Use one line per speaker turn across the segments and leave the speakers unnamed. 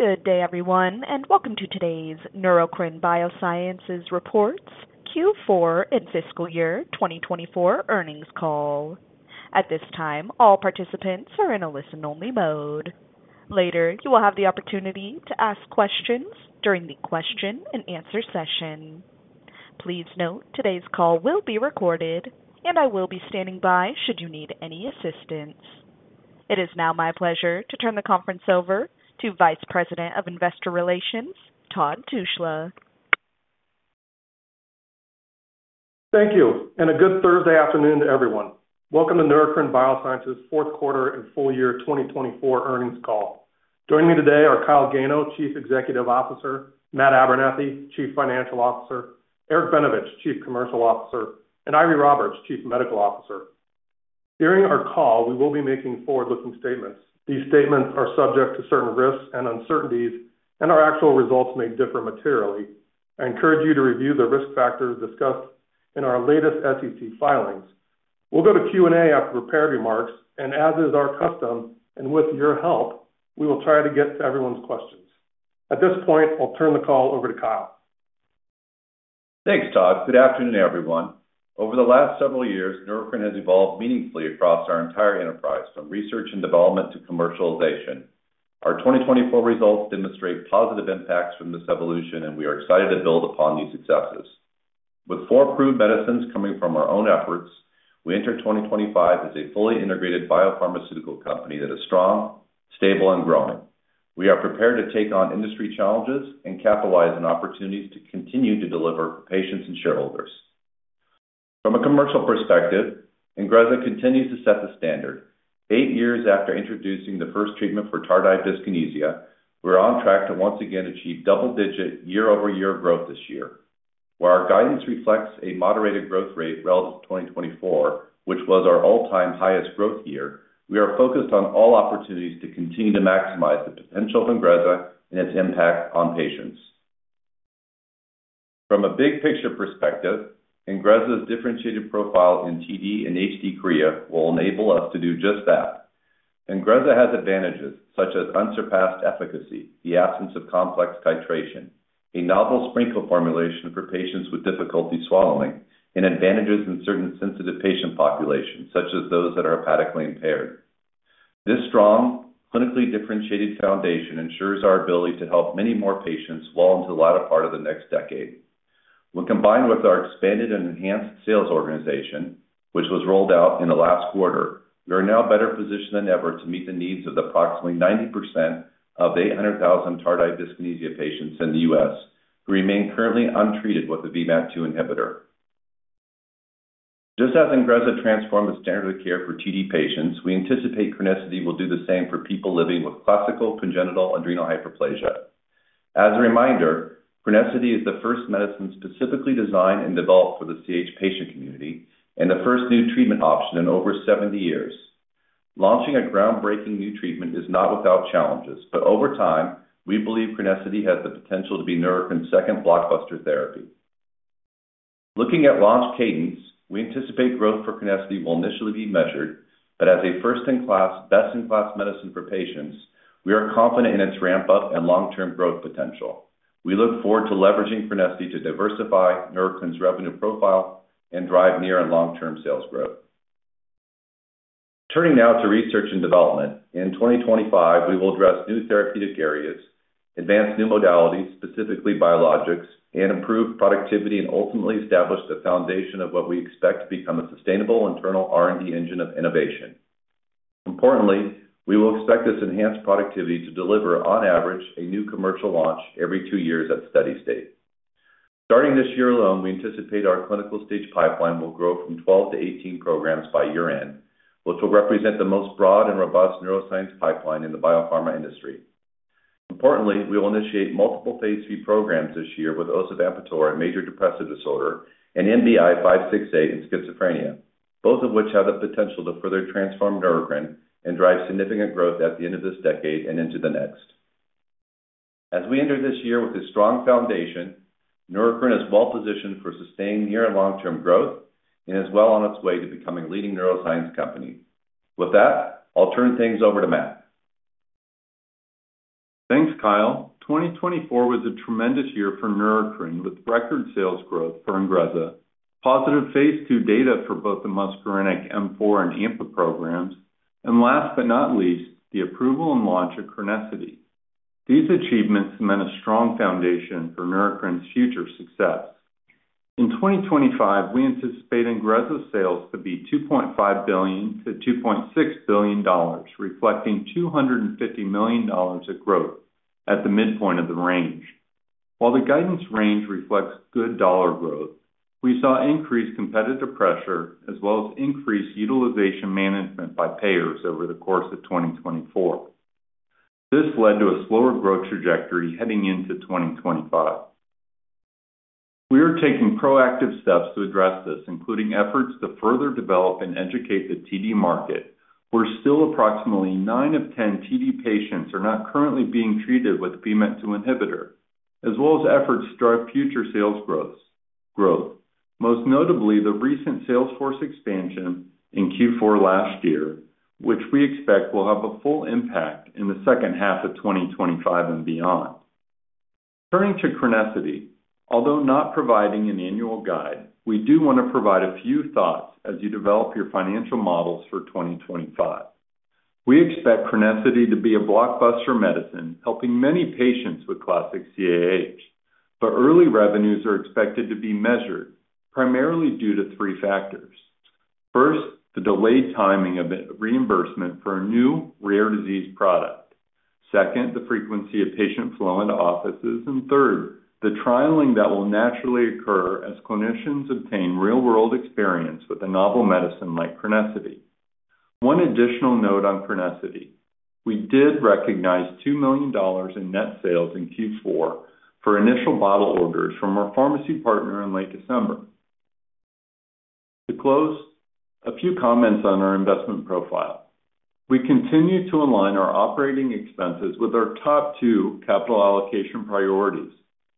Good day, everyone, and welcome to today's Neurocrine Biosciences Reports Q4 and Fiscal Year 2024 earnings call. At this time, all participants are in a listen-only mode. Later, you will have the opportunity to ask questions during the question-and-answer session. Please note today's call will be recorded, and I will be standing by should you need any assistance. It is now my pleasure to turn the conference over to Vice President of Investor Relations, Todd Tushla.
Thank you, and a good Thursday afternoon to everyone. Welcome to Neurocrine Biosciences' fourth quarter and full year 2024 earnings call. Joining me today are Kyle Gano, Chief Executive Officer, Matt Abernethy, Chief Financial Officer, Eric Benevich, Chief Commercial Officer, and Eiry Roberts, Chief Medical Officer. During our call, we will be making forward-looking statements. These statements are subject to certain risks and uncertainties, and our actual results may differ materially. I encourage you to review the risk factors discussed in our latest SEC filings. We'll go to Q&A after prepared remarks, and as is our custom, and with your help, we will try to get to everyone's questions. At this point, I'll turn the call over to Kyle.
Thanks, Todd. Good afternoon, everyone. Over the last several years, Neurocrine has evolved meaningfully across our entire enterprise, from research and development to commercialization. Our 2024 results demonstrate positive impacts from this evolution, and we are excited to build upon these successes. With four approved medicines coming from our own efforts, we enter 2025 as a fully integrated biopharmaceutical company that is strong, stable, and growing. We are prepared to take on industry challenges and capitalize on opportunities to continue to deliver for patients and shareholders. From a commercial perspective, Ingrezza continues to set the standard. Eight years after introducing the first treatment for tardive dyskinesia, we're on track to once again achieve double-digit year-over-year growth this year. While our guidance reflects a moderated growth rate relative to 2024, which was our all-time highest growth year, we are focused on all opportunities to continue to maximize the potential of Ingrezza and its impact on patients. From a big-picture perspective, Ingrezza's differentiated profile in TD and Huntington's chorea will enable us to do just that. Ingrezza has advantages such as unsurpassed efficacy, the absence of complex titration, a novel sprinkle formulation for patients with difficulty swallowing, and advantages in certain sensitive patient populations, such as those that are hepatically impaired. This strong, clinically differentiated foundation ensures our ability to help many more patients well into the latter part of the next decade. When combined with our expanded and enhanced sales organization, which was rolled out in the last quarter, we are now better positioned than ever to meet the needs of approximately 90% of the 800,000 tardive dyskinesia patients in the U.S. who remain currently untreated with a VMAT2 inhibitor. Just as Ingrezza transformed the standard of care for TD patients, we anticipate Crinecerfont will do the same for people living with classic congenital adrenal hyperplasia. As a reminder, Crinecerfont is the first medicine specifically designed and developed for the CAH patient community and the first new treatment option in over 70 years. Launching a groundbreaking new treatment is not without challenges, but over time, we believe Crinecerfont has the potential to be Neurocrine's second blockbuster therapy. Looking at launch cadence, we anticipate growth for Crinecerfont will initially be measured, but as a first-in-class, best-in-class medicine for patients, we are confident in its ramp-up and long-term growth potential. We look forward to leveraging Crinecerfont to diversify Neurocrine's revenue profile and drive near and long-term sales growth. Turning now to research and development, in 2025, we will address new therapeutic areas, advance new modalities, specifically biologics, and improve productivity and ultimately establish the foundation of what we expect to become a sustainable internal R&D engine of innovation. Importantly, we will expect this enhanced productivity to deliver, on average, a new commercial launch every two years at steady state. Starting this year alone, we anticipate our clinical stage pipeline will grow from 12 to 18 programs by year-end, which will represent the most broad and robust neuroscience pipeline in the biopharma industry. Importantly, we will initiate multiple phase three programs this year with NBI-1065845 and major depressive disorder and NBI-568 and schizophrenia, both of which have the potential to further transform Neurocrine and drive significant growth at the end of this decade and into the next. As we enter this year with a strong foundation, Neurocrine is well-positioned for sustained near and long-term growth and is well on its way to becoming a leading neuroscience company. With that, I'll turn things over to Matt.
Thanks, Kyle. 2024 was a tremendous year for Neurocrine Biosciences with record sales growth for Ingrezza, positive phase two data for both the muscarinic M4 and AMPA programs, and last but not least, the approval and launch of Crinecerfont. These achievements cement a strong foundation for Neurocrine Biosciences' future success. In 2025, we anticipate Ingrezza sales to be $2.5 billion-$2.6 billion, reflecting $250 million of growth at the midpoint of the range. While the guidance range reflects good dollar growth, we saw increased competitive pressure as well as increased utilization management by payers over the course of 2024. This led to a slower growth trajectory heading into 2025. We are taking proactive steps to address this, including efforts to further develop and educate the TD market, where still approximately nine of 10 TD patients are not currently being treated with VMAT2 inhibitor, as well as efforts to drive future sales growth. Most notably, the recent sales force expansion in Q4 last year, which we expect will have a full impact in the second half of 2025 and beyond. Turning to Crinecerfont, although not providing an annual guide, we do want to provide a few thoughts as you develop your financial models for 2025. We expect Crinecerfont to be a blockbuster medicine helping many patients with classic CAH, but early revenues are expected to be measured primarily due to three factors. First, the delayed timing of reimbursement for a new rare disease product. Second, the frequency of patient flow into offices. Third, the trialing that will naturally occur as clinicians obtain real-world experience with a novel medicine like Crinecerfont. One additional note on Crinecerfont: we did recognize $2 million in net sales in Q4 for initial bottle orders from our pharmacy partner in late December. To close, a few comments on our investment profile. We continue to align our operating expenses with our top two capital allocation priorities,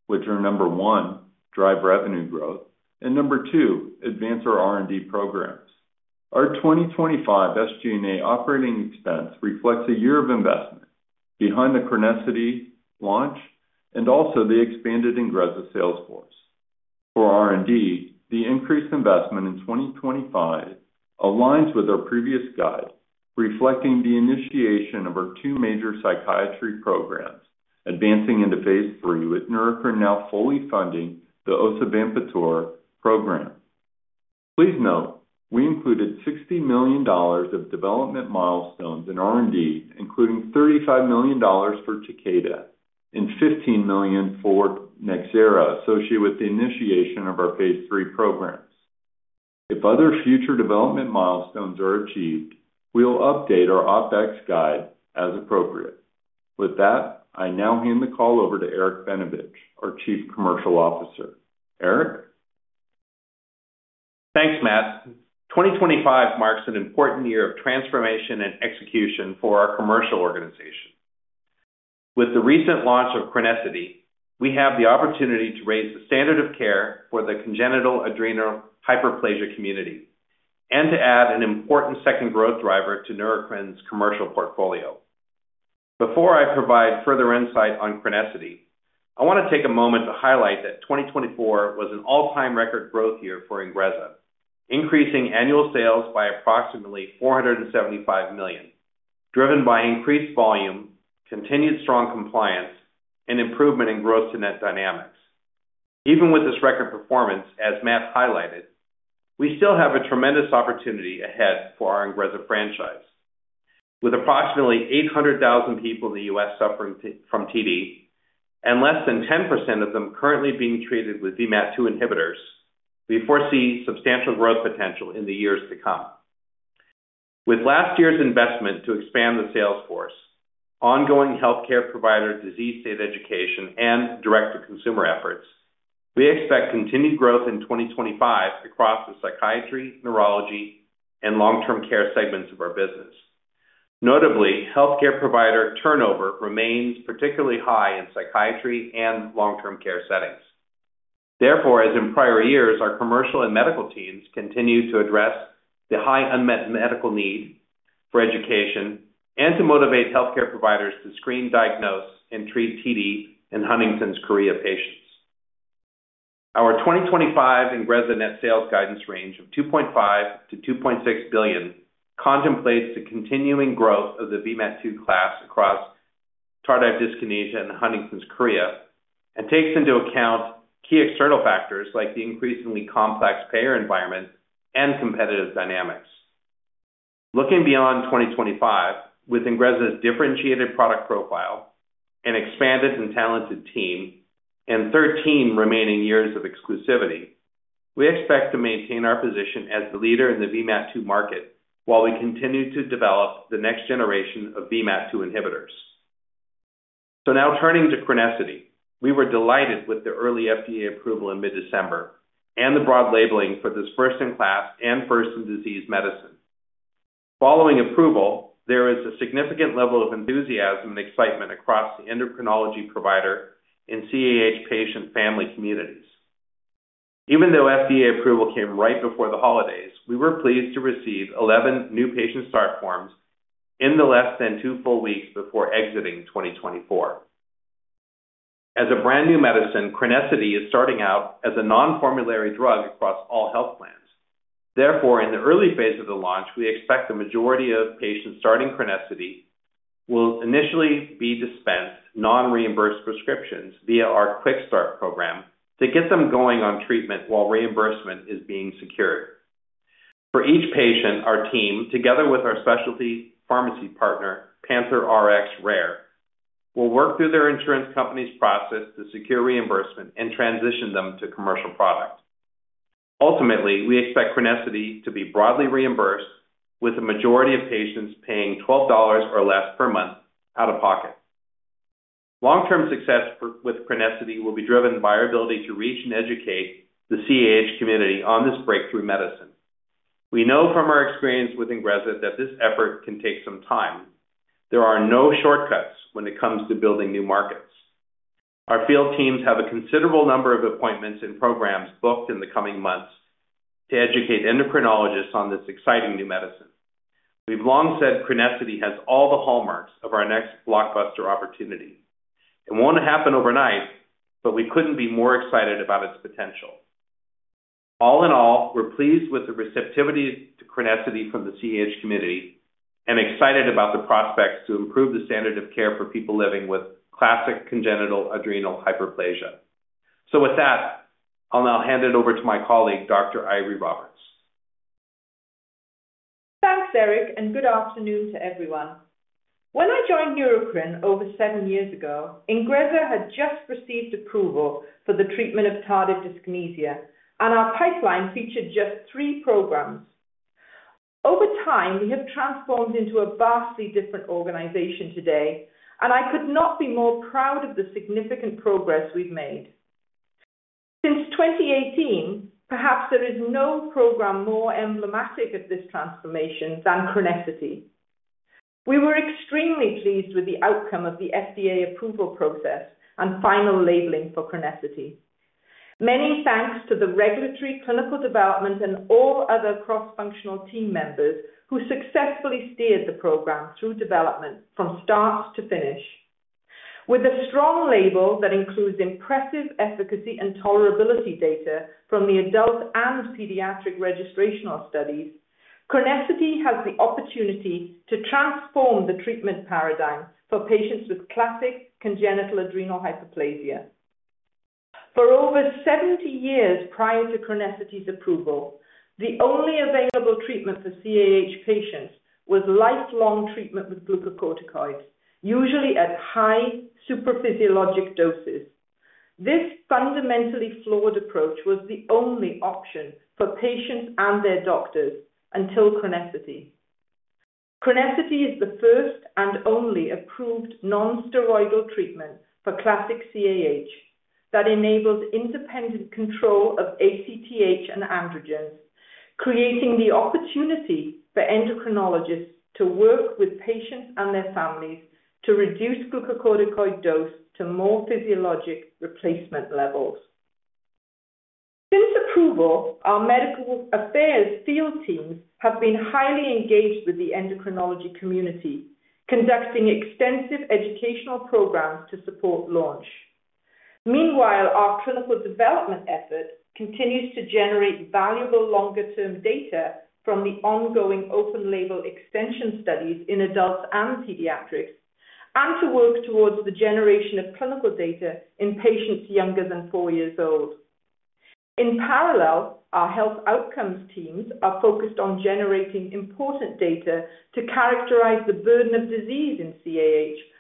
which are number one, drive revenue growth, and number two, advance our R&D programs. Our 2025 SG&A operating expense reflects a year of investment behind the Crinecerfont launch and also the expanded Ingrezza sales force. For R&D, the increased investment in 2025 aligns with our previous guide, reflecting the initiation of our two major psychiatry programs, advancing into phase three with Neurocrine now fully funding the osavampator program. Please note, we included $60 million of development milestones in R&D, including $35 million for Takeda and $15 million for Nxera associated with the initiation of our phase three programs. If other future development milestones are achieved, we will update our OpEx guide as appropriate. With that, I now hand the call over to Eric Benevich, our Chief Commercial Officer. Eric?
Thanks, Matt. 2025 marks an important year of transformation and execution for our commercial organization. With the recent launch of Crinecerfont, we have the opportunity to raise the standard of care for the congenital adrenal hyperplasia community and to add an important second growth driver to Neurocrine's commercial portfolio. Before I provide further insight on Crinecerfont, I want to take a moment to highlight that 2024 was an all-time record growth year for Ingrezza, increasing annual sales by approximately $475 million, driven by increased volume, continued strong compliance, and improvement in gross-to-net dynamics. Even with this record performance, as Matt highlighted, we still have a tremendous opportunity ahead for our Ingrezza franchise. With approximately 800,000 people in the U.S. suffering from TD and less than 10% of them currently being treated with VMAT2 inhibitors, we foresee substantial growth potential in the years to come. With last year's investment to expand the sales force, ongoing healthcare provider disease state education, and direct-to-consumer efforts, we expect continued growth in 2025 across the psychiatry, neurology, and long-term care segments of our business. Notably, healthcare provider turnover remains particularly high in psychiatry and long-term care settings. Therefore, as in prior years, our commercial and medical teams continue to address the high unmet medical need for education and to motivate healthcare providers to screen, diagnose, and treat TD and Huntington's chorea patients. Our 2025 Ingrezza net sales guidance range of $2.5-$2.6 billion contemplates the continuing growth of the VMAT2 class across tardive dyskinesia and Huntington's chorea and takes into account key external factors like the increasingly complex payer environment and competitive dynamics. Looking beyond 2025, with Ingrezza's differentiated product profile, an expanded and talented team, and 13 remaining years of exclusivity, we expect to maintain our position as the leader in the VMAT2 market while we continue to develop the next generation of VMAT2 inhibitors. Now turning to Crinecerfont, we were delighted with the early FDA approval in mid-December and the broad labeling for this first-in-class and first-in-disease medicine. Following approval, there is a significant level of enthusiasm and excitement across the endocrinology provider and CAH patient family communities. Even though FDA approval came right before the holidays, we were pleased to receive 11 new patient start forms in the less than two full weeks before exiting 2024. As a brand new medicine, Crinecerfont is starting out as a non-formulary drug across all health plans. Therefore, in the early phase of the launch, we expect the majority of patients starting Crinecerfont will initially be dispensed non-reimbursed prescriptions via our Quick Start program to get them going on treatment while reimbursement is being secured. For each patient, our team, together with our specialty pharmacy partner, Panther Rx Rare, will work through their insurance company's process to secure reimbursement and transition them to commercial product. Ultimately, we expect Crinecerfont to be broadly reimbursed, with the majority of patients paying $12 or less per month out of pocket. Long-term success with Crinecerfont will be driven by our ability to reach and educate the CAH community on this breakthrough medicine. We know from our experience with Ingrezza that this effort can take some time. There are no shortcuts when it comes to building new markets. Our field teams have a considerable number of appointments and programs booked in the coming months to educate endocrinologists on this exciting new medicine. We've long said Crinecerfont has all the hallmarks of our next blockbuster opportunity. It won't happen overnight, but we couldn't be more excited about its potential. All in all, we're pleased with the receptivity to Crinecerfont from the CAH community and excited about the prospects to improve the standard of care for people living with classic congenital adrenal hyperplasia. So with that, I'll now hand it over to my colleague, Dr. Eiry Roberts.
Thanks, Eric, and good afternoon to everyone. When I joined Neurocrine over seven years ago, Ingrezza had just received approval for the treatment of tardive dyskinesia, and our pipeline featured just three programs. Over time, we have transformed into a vastly different organization today, and I could not be more proud of the significant progress we've made. Since 2018, perhaps there is no program more emblematic of this transformation than Crinecerfont. We were extremely pleased with the outcome of the FDA approval process and final labeling for Crinecerfont. Many thanks to the regulatory, clinical development, and all other cross-functional team members who successfully steered the program through development from start to finish. With a strong label that includes impressive efficacy and tolerability data from the adult and pediatric registrational studies, Crinecerfont has the opportunity to transform the treatment paradigm for patients with classic congenital adrenal hyperplasia. For over 70 years prior to Crinecerfont's approval, the only available treatment for CAH patients was lifelong treatment with glucocorticoids, usually at high superphysiologic doses. This fundamentally flawed approach was the only option for patients and their doctors until Crinecerfont. Crinecerfont is the first and only approved non-steroidal treatment for classic CAH that enables independent control of ACTH and androgens, creating the opportunity for endocrinologists to work with patients and their families to reduce glucocorticoid dose to more physiologic replacement levels. Since approval, our medical affairs field teams have been highly engaged with the endocrinology community, conducting extensive educational programs to support launch. Meanwhile, our clinical development effort continues to generate valuable longer-term data from the ongoing open-label extension studies in adults and pediatrics and to work towards the generation of clinical data in patients younger than four years old. In parallel, our health outcomes teams are focused on generating important data to characterize the burden of disease in CAH while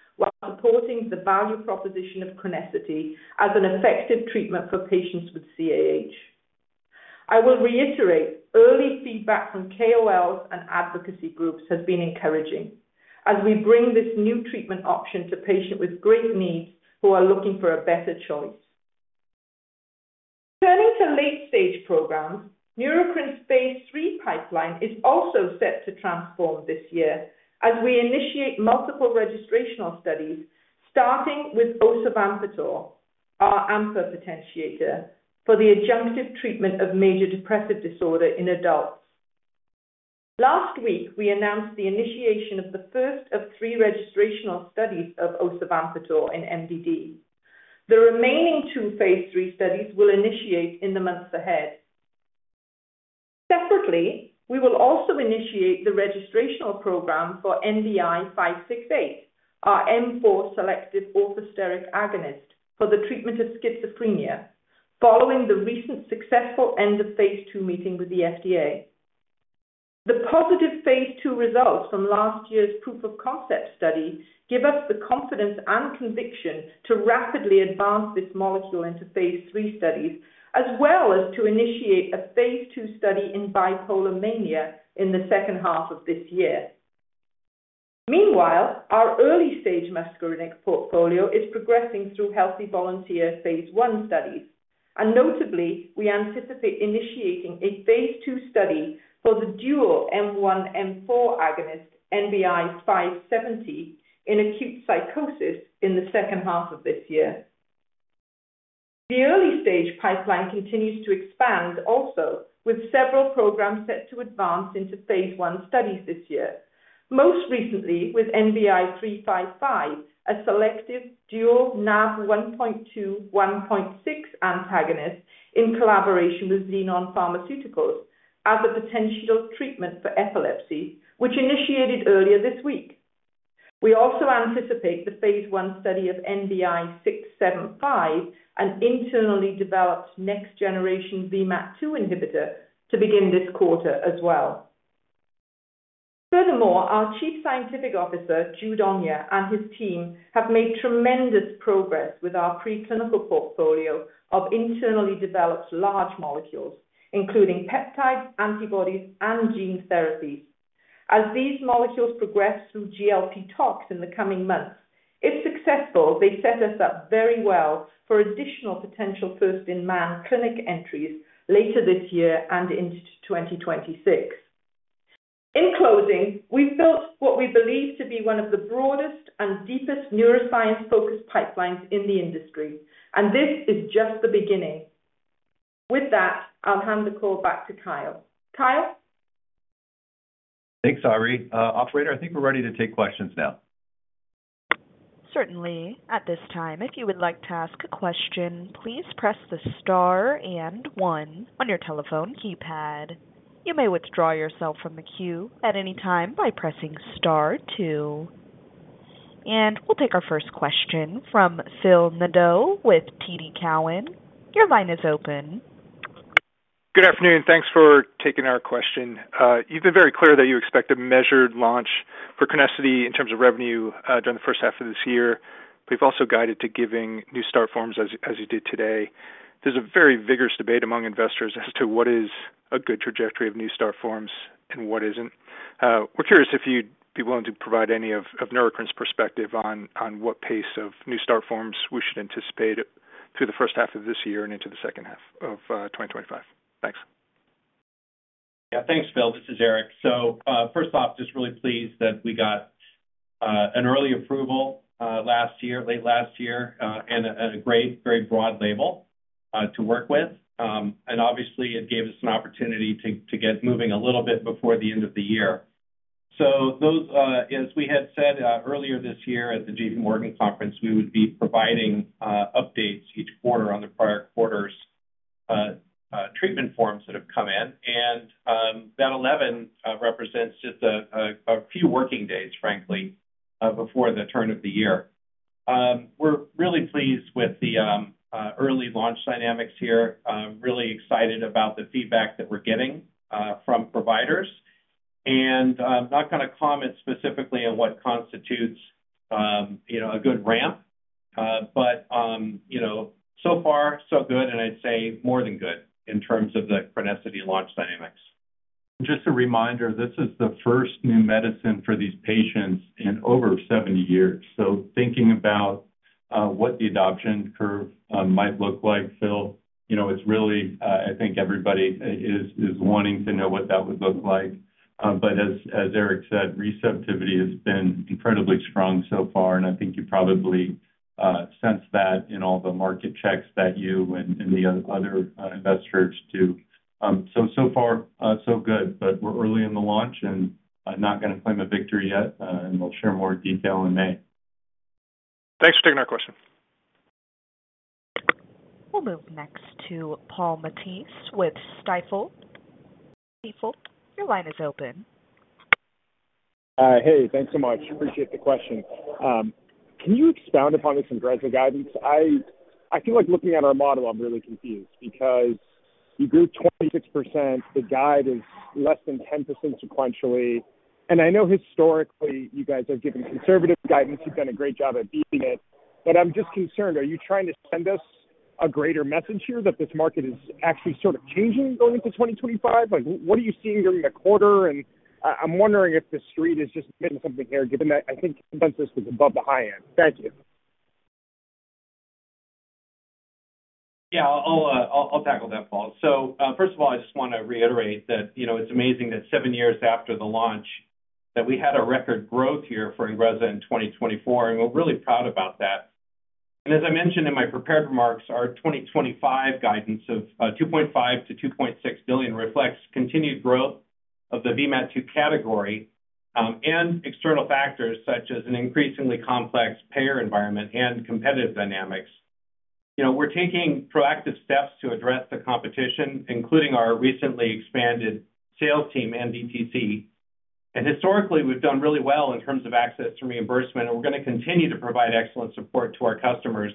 supporting the value proposition of Crinecerfont as an effective treatment for patients with CAH. I will reiterate, early feedback from KOLs and advocacy groups has been encouraging as we bring this new treatment option to patients with great needs who are looking for a better choice. Turning to late-stage programs, Neurocrine's phase three pipeline is also set to transform this year as we initiate multiple registrational studies, starting with osavampator, our AMPA potentiator, for the adjunctive treatment of major depressive disorder in adults. Last week, we announced the initiation of the first of three registrational studies of osavampator in MDD. The remaining two phase three studies will initiate in the months ahead. Separately, we will also initiate the registrational program for NBI-568, our M4 selective orthosteric agonist for the treatment of schizophrenia, following the recent successful end of phase two meeting with the FDA. The positive phase two results from last year's proof of concept study give us the confidence and conviction to rapidly advance this molecule into phase three studies, as well as to initiate a phase two study in bipolar mania in the second half of this year. Meanwhile, our early-stage muscarinic portfolio is progressing through healthy volunteer phase one studies, and notably, we anticipate initiating a phase two study for the dual M1/M4 agonist NBI-570 in acute psychosis in the second half of this year. The early-stage pipeline continues to expand also with several programs set to advance into phase one studies this year, most recently with NBI-355, a selective dual NaV1.2/1.6 antagonist in collaboration with Xenon Pharmaceuticals as a potential treatment for epilepsy, which initiated earlier this week. We also anticipate the phase one study of NBI-675, an internally developed next-generation VMAT2 inhibitor, to begin this quarter as well. Furthermore, our Chief Scientific Officer, Jude Onyia, and his team have made tremendous progress with our preclinical portfolio of internally developed large molecules, including peptides, antibodies, and gene therapies. As these molecules progress through GLP tox in the coming months, if successful, they set us up very well for additional potential first-in-man clinic entries later this year and into 2026. In closing, we've built what we believe to be one of the broadest and deepest neuroscience-focused pipelines in the industry, and this is just the beginning. With that, I'll hand the call back to Kyle. Kyle?
Thanks, Avery. Operator, I think we're ready to take questions now.
Certainly. At this time, if you would like to ask a question, please press the star and one on your telephone keypad. You may withdraw yourself from the queue at any time by pressing star two. And we'll take our first question from Phil Nadeau with TD Cowen. Your line is open.
Good afternoon. Thanks for taking our question. You've been very clear that you expect a measured launch for Crinecerfont in terms of revenue during the first half of this year, but you've also guided to giving new start forms as you did today. There's a very vigorous debate among investors as to what is a good trajectory of new start forms and what isn't. We're curious if you'd be willing to provide any of Neurocrine's perspective on what pace of new start forms we should anticipate through the first half of this year and into the second half of 2025. Thanks.
Yeah, thanks, Phil. This is Eric. So first off, just really pleased that we got an early approval last year, late last year, and a great, very broad label to work with. And obviously, it gave us an opportunity to get moving a little bit before the end of the year. So as we had said earlier this year at the JP Morgan Conference, we would be providing updates each quarter on the prior quarter's treatment forms that have come in. And that 11 represents just a few working days, frankly, before the turn of the year. We're really pleased with the early launch dynamics here, really excited about the feedback that we're getting from providers. And I'm not going to comment specifically on what constitutes a good ramp, but so far, so good, and I'd say more than good in terms of the Crinecerfont launch dynamics. Just a reminder, this is the first new medicine for these patients in over 70 years. So thinking about what the adoption curve might look like, Phil, it's really, I think everybody is wanting to know what that would look like. But as Eric said, receptivity has been incredibly strong so far, and I think you probably sense that in all the market checks that you and the other investors do. So far, so good, but we're early in the launch and not going to claim a victory yet, and we'll share more detail in May.
Thanks for taking our question.
We'll move next to Paul Matteis with Stifel. Stifel, your line is open.
Hey, thanks so much. Appreciate the question. Can you expound upon this Ingrezza guidance? I feel like looking at our model, I'm really confused because you grew 26%. The guide is less than 10% sequentially. And I know historically you guys have given conservative guidance. You've done a great job at beating it. But I'm just concerned, are you trying to send us a greater message here that this market is actually sort of changing going into 2025? What are you seeing during the quarter? And I'm wondering if the street has just been something here, given that I think consensus was above the high end. Thank you.
Yeah, I'll tackle that, Paul. So first of all, I just want to reiterate that it's amazing that seven years after the launch that we had a record growth year for Ingrezza in 2024, and we're really proud about that. And as I mentioned in my prepared remarks, our 2025 guidance of $2.5-$2.6 billion reflects continued growth of the VMAT2 category and external factors such as an increasingly complex payer environment and competitive dynamics. We're taking proactive steps to address the competition, including our recently expanded sales team, NDTC. And historically, we've done really well in terms of access to reimbursement, and we're going to continue to provide excellent support to our customers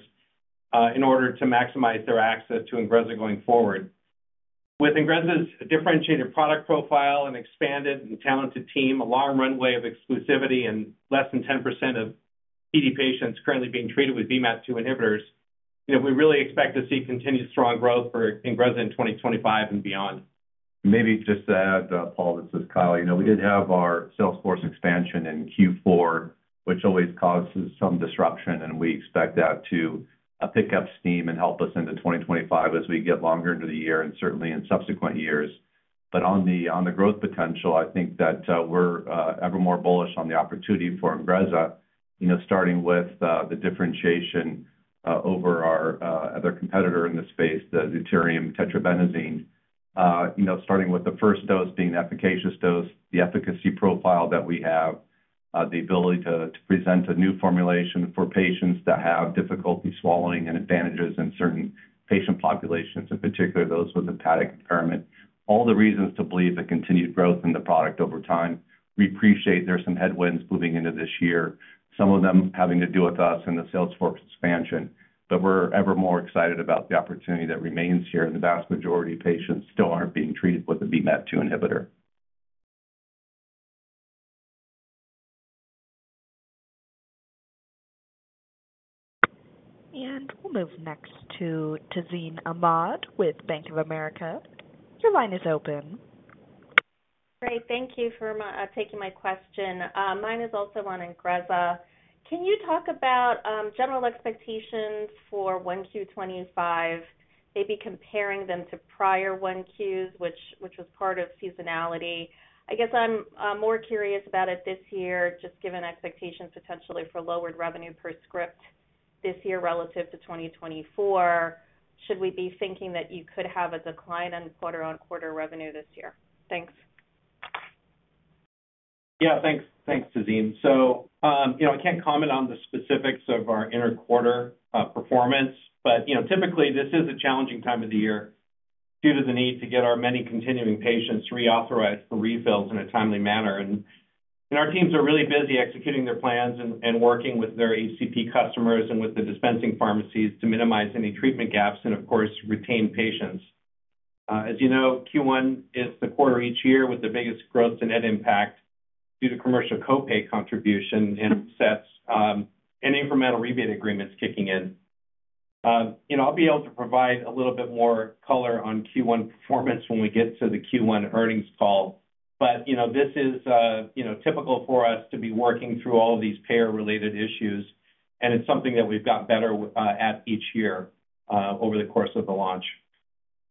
in order to maximize their access to Ingrezza going forward. With Ingrezza's differentiated product profile and expanded and talented team, a long runway of exclusivity, and less than 10% of TD patients currently being treated with VMAT2 inhibitors, we really expect to see continued strong growth for Ingrezza in 2025 and beyond.
Maybe just to add, Paul, this is Kyle. We did have our Salesforce expansion in Q4, which always causes some disruption, and we expect that to pick up steam and help us into 2025 as we get longer into the year and certainly in subsequent years. But on the growth potential, I think that we're ever more bullish on the opportunity for Ingrezza, starting with the differentiation over our other competitor in this space, the deutetrabenazine, starting with the first dose being the efficacious dose, the efficacy profile that we have, the ability to present a new formulation for patients that have difficulty swallowing, and advantages in certain patient populations, in particular those with hepatic impairment. All the reasons to believe the continued growth in the product over time. We appreciate there's some headwinds moving into this year, some of them having to do with us and the Salesforce expansion, but we're ever more excited about the opportunity that remains here in the vast majority of patients still aren't being treated with a VMAT2 inhibitor.
We'll move next to Tazeen Ahmad with Bank of America. Your line is open.
Great. Thank you for taking my question. Mine is also on Ingrezza. Can you talk about general expectations for 1Q25, maybe comparing them to prior 1Qs, which was part of seasonality? I guess I'm more curious about it this year, just given expectations potentially for lowered revenue per script this year relative to 2024. Should we be thinking that you could have a decline in quarter-on-quarter revenue this year? Thanks.
Yeah, thanks, Tazeen. So I can't comment on the specifics of our interquarter performance, but typically, this is a challenging time of the year due to the need to get our many continuing patients reauthorized for refills in a timely manner. And our teams are really busy executing their plans and working with their HCP customers and with the dispensing pharmacies to minimize any treatment gaps and, of course, retain patients. As you know, Q1 is the quarter each year with the biggest growth in net impact due to commercial copay contribution and incidents and incremental rebate agreements kicking in. I'll be able to provide a little bit more color on Q1 performance when we get to the Q1 earnings call, but this is typical for us to be working through all of these payer-related issues, and it's something that we've gotten better at each year over the course of the launch.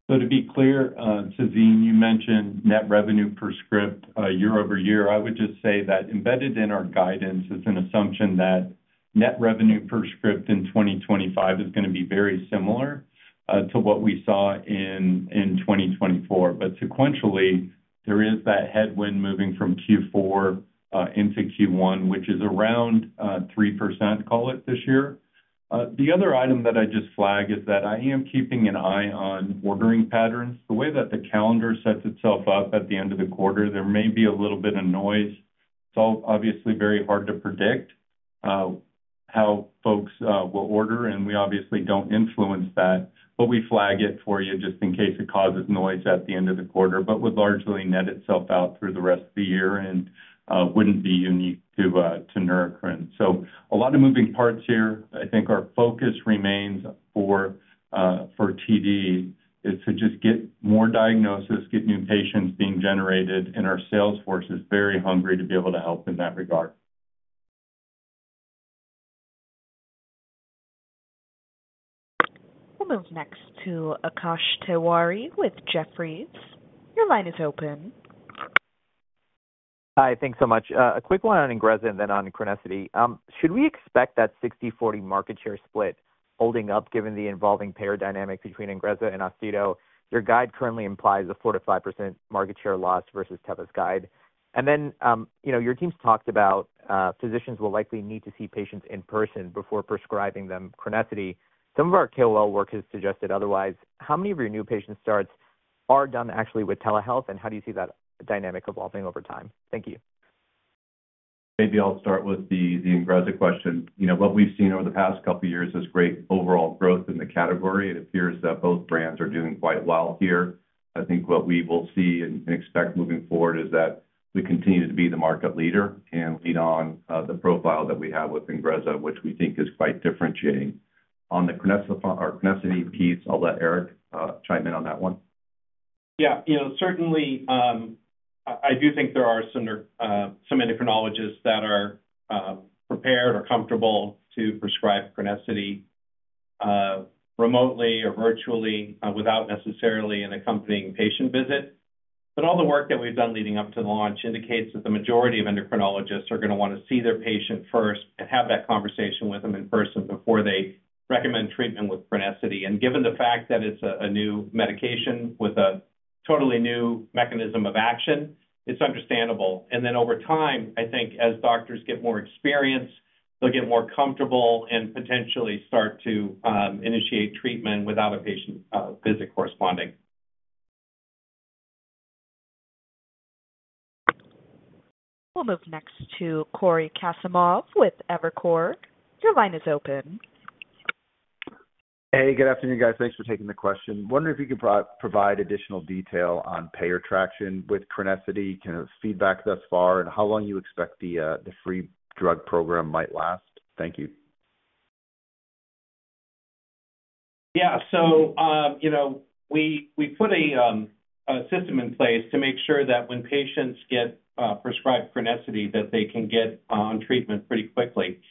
So to be clear, Tazeen, you mentioned net revenue per script year over year. I would just say that embedded in our guidance is an assumption that net revenue per script in 2025 is going to be very similar to what we saw in 2024. But sequentially, there is that headwind moving from Q4 into Q1, which is around 3%, call it, this year. The other item that I just flag is that I am keeping an eye on ordering patterns. The way that the calendar sets itself up at the end of the quarter, there may be a little bit of noise. It's obviously very hard to predict how folks will order, and we obviously don't influence that, but we flag it for you just in case it causes noise at the end of the quarter, but would largely net itself out through the rest of the year and wouldn't be unique to Neurocrine. So a lot of moving parts here. I think our focus remains for TD is to just get more diagnosis, get new patients being generated, and our sales force is very hungry to be able to help in that regard.
We'll move next to Akash Tewari with Jefferies. Your line is open.
Hi, thanks so much. A quick one on Ingrezza and then on Crinecerfont. Should we expect that 60/40 market share split holding up given the evolving payer dynamic between Ingrezza and Austedo? Your guide currently implies a 4%-5% market share loss versus Teva's guide. And then your teams talked about physicians will likely need to see patients in person before prescribing them. Crinecerfont, some of our KOL work has suggested otherwise. How many of your new patient starts are done actually with telehealth, and how do you see that dynamic evolving over time? Thank you.
Maybe I'll start with the Ingrezza question. What we've seen over the past couple of years is great overall growth in the category. It appears that both brands are doing quite well here. I think what we will see and expect moving forward is that we continue to be the market leader and lead on the profile that we have with Ingrezza, which we think is quite differentiating. On the Crinecerfont piece, I'll let Eric chime in on that one.
Yeah, certainly. I do think there are some endocrinologists that are prepared or comfortable to prescribe Crinecerfont remotely or virtually without necessarily an accompanying patient visit. But all the work that we've done leading up to the launch indicates that the majority of endocrinologists are going to want to see their patient first and have that conversation with them in person before they recommend treatment with Crinecerfont. And given the fact that it's a new medication with a totally new mechanism of action, it's understandable. And then over time, I think as doctors get more experience, they'll get more comfortable and potentially start to initiate treatment without a patient visit corresponding.
We'll move next to Cory Kasimov with Evercore. Your line is open.
Hey, good afternoon, guys. Thanks for taking the question. Wondering if you could provide additional detail on payer traction with Crinecerfont, kind of feedback thus far, and how long you expect the free drug program might last? Thank you.
Yeah, so we put a system in place to make sure that when patients get prescribed Crinecerfont, that they can get on treatment pretty quickly.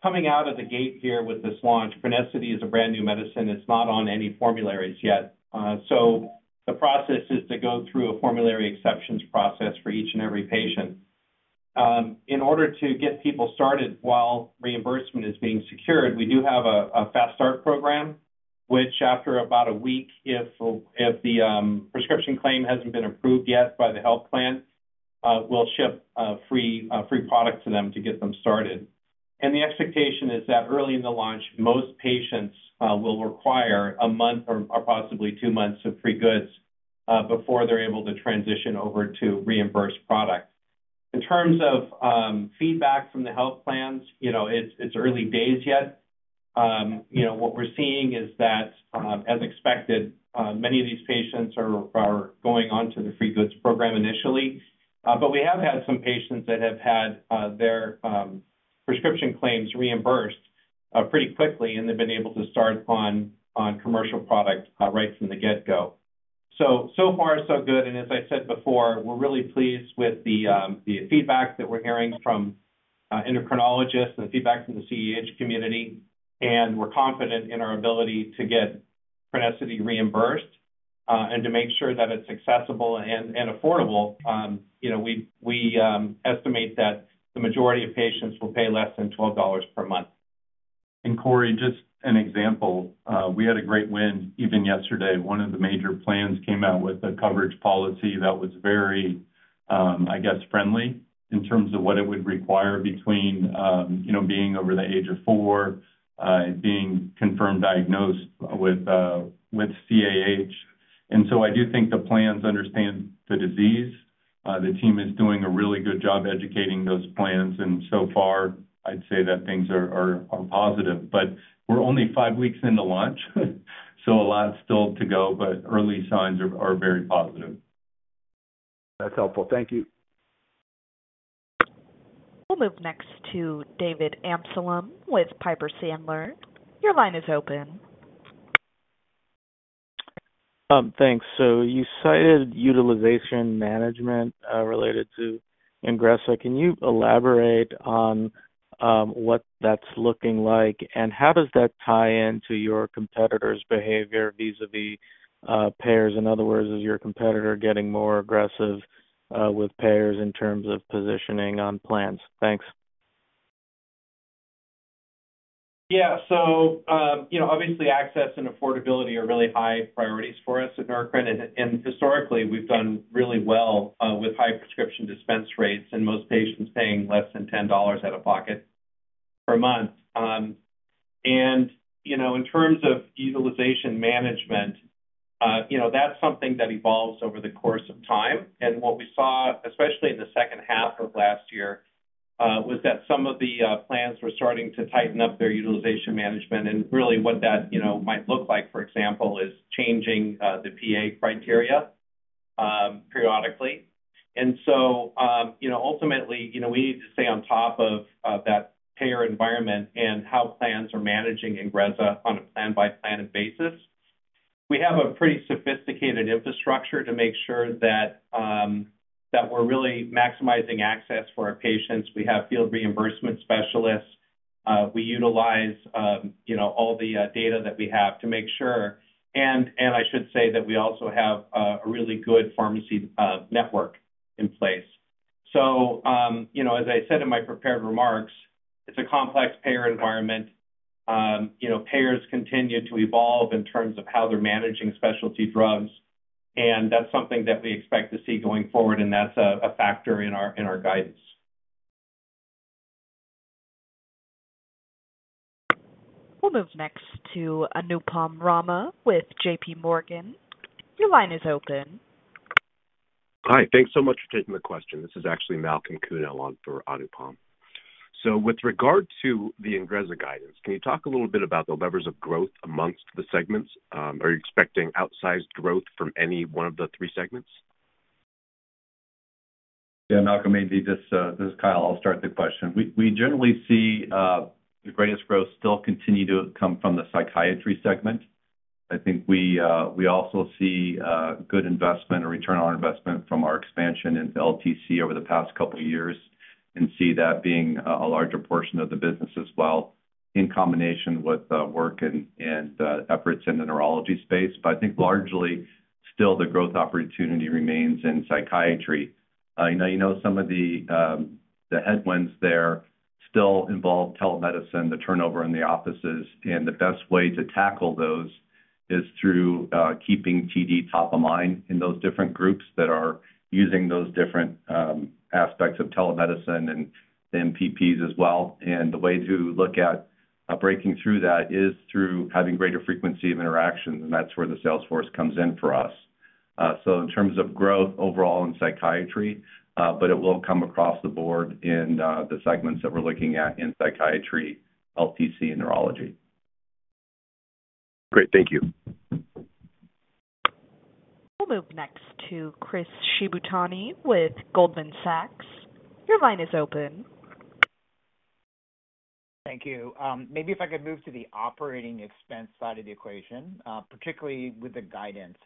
Coming out of the gate here with this launch, Crinecerfont is a brand new medicine. It's not on any formularies yet. So the process is to go through a formulary exceptions process for each and every patient. In order to get people started while reimbursement is being secured, we do have a fast start program, which after about a week, if the prescription claim hasn't been approved yet by the health plan, we'll ship free products to them to get them started. And the expectation is that early in the launch, most patients will require a month or possibly two months of free goods before they're able to transition over to reimbursed products. In terms of feedback from the health plans, it's early days yet. What we're seeing is that, as expected, many of these patients are going on to the free goods program initially. But we have had some patients that have had their prescription claims reimbursed pretty quickly, and they've been able to start on commercial product right from the get-go. So far, so good. And as I said before, we're really pleased with the feedback that we're hearing from endocrinologists and the feedback from the CAH community. And we're confident in our ability to get Crinecerfont reimbursed and to make sure that it's accessible and affordable. We estimate that the majority of patients will pay less than $12 per month.
Cory, just an example, we had a great win even yesterday. One of the major plans came out with a coverage policy that was very, I guess, friendly in terms of what it would require between being over the age of four, being confirmed diagnosed with CAH. So I do think the plans understand the disease. The team is doing a really good job educating those plans. So far, I'd say that things are positive. But we're only five weeks into launch, so a lot still to go, but early signs are very positive.
That's helpful. Thank you.
We'll move next to David Amsalem with Piper Sandler. Your line is open. Thanks. So you cited utilization management related to Ingrezza. Can you elaborate on what that's looking like and how does that tie into your competitor's behavior vis-à-vis payers? In other words, is your competitor getting more aggressive with payers in terms of positioning on plans? Thanks.
Yeah. So obviously, access and affordability are really high priorities for us at Neurocrine. And historically, we've done really well with high prescription dispense rates and most patients paying less than $10 out of pocket per month. And in terms of utilization management, that's something that evolves over the course of time. And what we saw, especially in the second half of last year, was that some of the plans were starting to tighten up their utilization management. And really what that might look like, for example, is changing the PA criteria periodically. And so ultimately, we need to stay on top of that payer environment and how plans are managing Ingrezza on a plan-by-plan basis. We have a pretty sophisticated infrastructure to make sure that we're really maximizing access for our patients. We have field reimbursement specialists. We utilize all the data that we have to make sure. And I should say that we also have a really good pharmacy network in place. So as I said in my prepared remarks, it's a complex payer environment. Payers continue to evolve in terms of how they're managing specialty drugs. And that's something that we expect to see going forward, and that's a factor in our guidance.
We'll move next to Anupam Rama with JP Morgan. Your line is open.
Hi. Thanks so much for taking the question. This is actually Malcolm Kuno on for Anupam. So with regard to the Ingrezza guidance, can you talk a little bit about the levers of growth amongst the segments? Are you expecting outsized growth from any one of the three segments?
Yeah, Malcolm, maybe this is Kyle. I'll start the question. We generally see the greatest growth still continue to come from the psychiatry segment. I think we also see good investment or return on investment from our expansion into LTC over the past couple of years and see that being a larger portion of the business as well in combination with work and efforts in the neurology space. But I think largely still the growth opportunity remains in psychiatry. You know some of the headwinds there still involve telemedicine, the turnover in the offices, and the best way to tackle those is through keeping TD top of mind in those different groups that are using those different aspects of telemedicine and the MPPs as well. And the way to look at breaking through that is through having greater frequency of interactions, and that's where the sales force comes in for us. In terms of growth overall in psychiatry, but it will come across the board in the segments that we're looking at in psychiatry, LTC, and neurology.
Great. Thank you.
We'll move next to Chris Shibutani with Goldman Sachs. Your line is open.
Thank you. Maybe if I could move to the operating expense side of the equation, particularly with the guidance.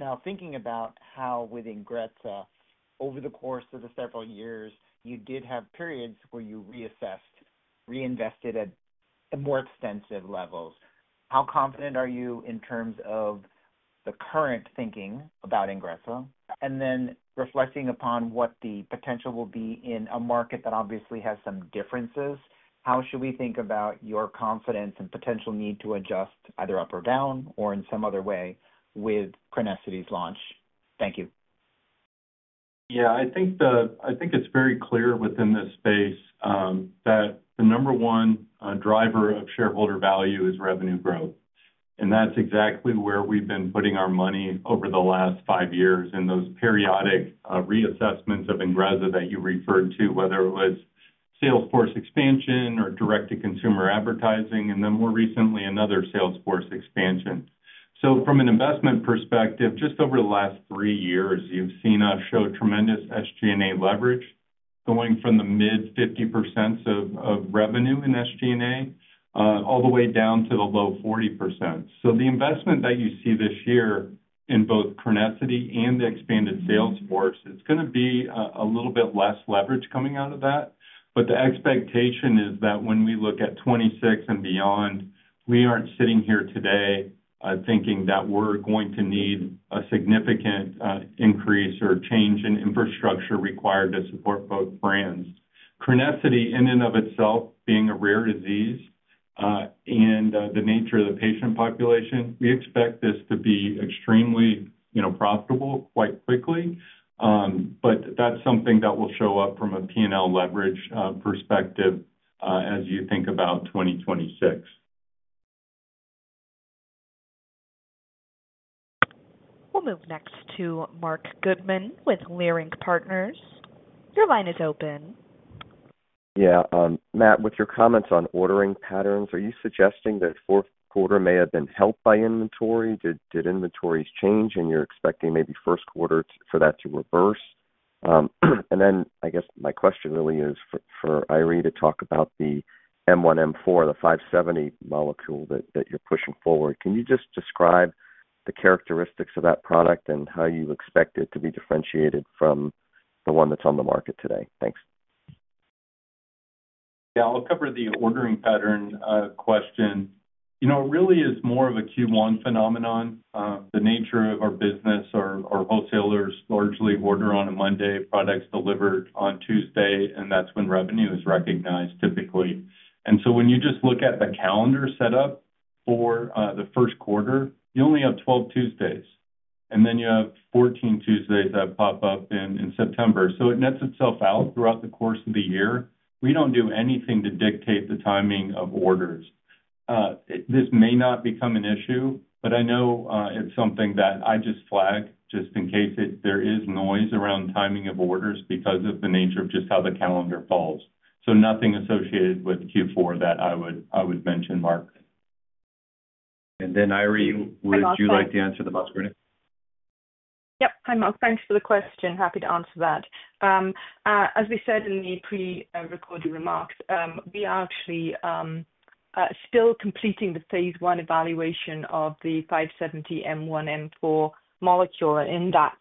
Now, thinking about how with Ingrezza over the course of the several years, you did have periods where you reassessed, reinvested at more extensive levels. How confident are you in terms of the current thinking about Ingrezza? And then reflecting upon what the potential will be in a market that obviously has some differences, how should we think about your confidence and potential need to adjust either up or down or in some other way with Crinecerfont's launch? Thank you.
Yeah, I think it's very clear within this space that the number one driver of shareholder value is revenue growth. And that's exactly where we've been putting our money over the last five years in those periodic reassessments of Ingrezza that you referred to, whether it was Salesforce expansion or direct-to-consumer advertising, and then more recently, another Salesforce expansion. So from an investment perspective, just over the last three years, you've seen us show tremendous SG&A leverage going from the mid-50% of revenue in SG&A all the way down to the low-40%. So the investment that you see this year in both Crinecerfont and the expanded Salesforce, it's going to be a little bit less leverage coming out of that. But the expectation is that when we look at 26 and beyond, we aren't sitting here today thinking that we're going to need a significant increase or change in infrastructure required to support both brands. Crinecerfont, in and of itself, being a rare disease and the nature of the patient population, we expect this to be extremely profitable quite quickly. But that's something that will show up from a P&L leverage perspective as you think about 2026.
We'll move next to Marc Goodman with Leerink Partners. Your line is open.
Yeah. Matt, with your comments on ordering patterns, are you suggesting that fourth quarter may have been helped by inventory? Did inventories change and you're expecting maybe first quarter for that to reverse? And then I guess my question really is for Eiry to talk about the M1M4, the 570 molecule that you're pushing forward. Can you just describe the characteristics of that product and how you expect it to be differentiated from the one that's on the market today? Thanks.
Yeah, I'll cover the ordering pattern question. It really is more of a Q1 phenomenon. The nature of our business, our wholesalers largely order on a Monday, products delivered on Tuesday, and that's when revenue is recognized typically. And so when you just look at the calendar setup for the first quarter, you only have 12 Tuesdays, and then you have 14 Tuesdays that pop up in September. So it nets itself out throughout the course of the year. We don't do anything to dictate the timing of orders. This may not become an issue, but I know it's something that I just flag just in case there is noise around timing of orders because of the nature of just how the calendar falls. So nothing associated with Q4 that I would mention, Mark.
And then Eiry, would you like to answer the most?
Yep. Hi, Mark. Thanks for the question. Happy to answer that. As we said in the pre-recorded remarks, we are actually still completing the phase one evaluation of the NBI-570 M1/M4 molecule. In that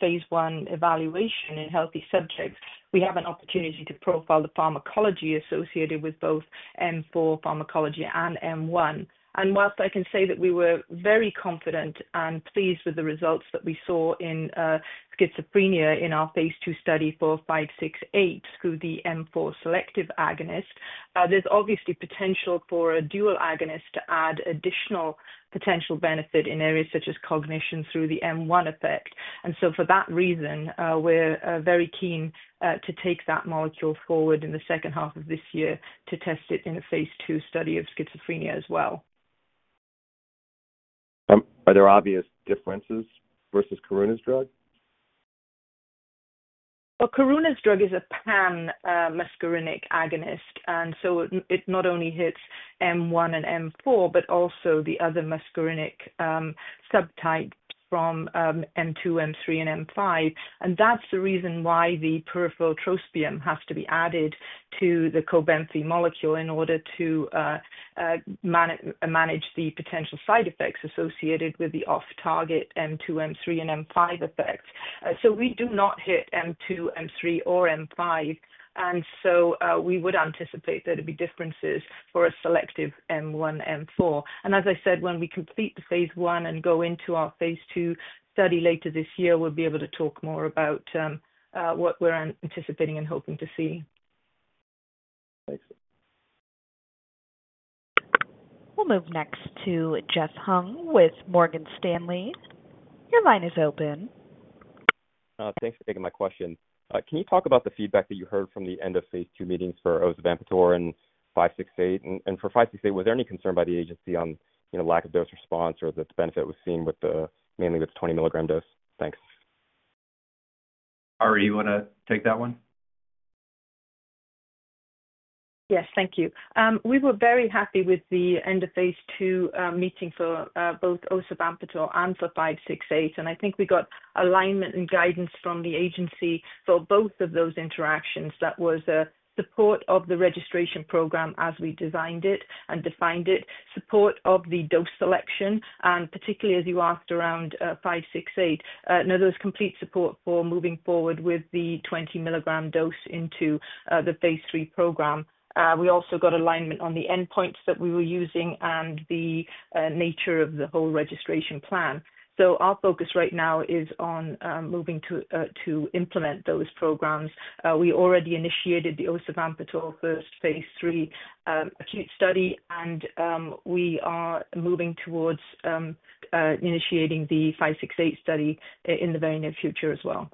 phase one evaluation in healthy subjects, we have an opportunity to profile the pharmacology associated with both M4 pharmacology and M1. And while I can say that we were very confident and pleased with the results that we saw in schizophrenia in our phase two study for NBI-568 through the M4 selective agonist, there's obviously potential for a dual agonist to add additional potential benefit in areas such as cognition through the M1 effect. And so for that reason, we're very keen to take that molecule forward in the second half of this year to test it in a phase two study of schizophrenia as well.
Are there obvious differences versus Karuna's drug?
Karuna's drug is a pan-muscarinic agonist. And so it not only hits M1 and M4, but also the other muscarinic subtypes from M2, M3, and M5. And that's the reason why the peripheral trospium has to be added to the Cobenfy molecule in order to manage the potential side effects associated with the off-target M2, M3, and M5 effects. So we do not hit M2, M3, or M5. And so we would anticipate there to be differences for a selective M1, M4. And as I said, when we complete the phase one and go into our phase two study later this year, we'll be able to talk more about what we're anticipating and hoping to see.
Thanks.
We'll move next to Jeff Hung with Morgan Stanley. Your line is open.
Thanks for taking my question. Can you talk about the feedback that you heard from the end of phase two meetings for osavampator and 568? And for 568, was there any concern by the agency on lack of dose response or that the benefit was seen mainly with the 20 milligram dose? Thanks.
Eiry, you want to take that one?
Yes, thank you. We were very happy with the end of phase two meeting for both osavampator and for 568. And I think we got alignment and guidance from the agency for both of those interactions. That was support of the registration program as we designed it and defined it, support of the dose selection, and particularly as you asked around 568. Now, there was complete support for moving forward with the 20 milligram dose into the phase three program. We also got alignment on the endpoints that we were using and the nature of the whole registration plan. So our focus right now is on moving to implement those programs. We already initiated the osavampator first phase three acute study, and we are moving towards initiating the 568 study in the very near future as well.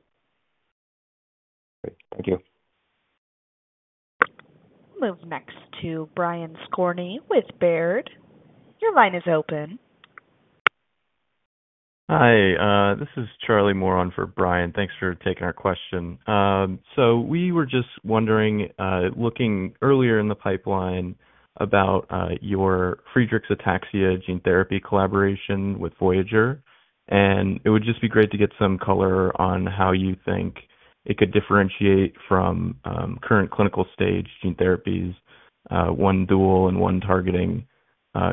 Great. Thank you.
We'll move next to Brian Skorney with Baird. Your line is open.
Hi. This is Charlie Moren for Brian. Thanks for taking our question, so we were just wondering, looking earlier in the pipeline about your Friedreich's ataxia gene therapy collaboration with Voyager, and it would just be great to get some color on how you think it could differentiate from current clinical stage gene therapies, one dual and one targeting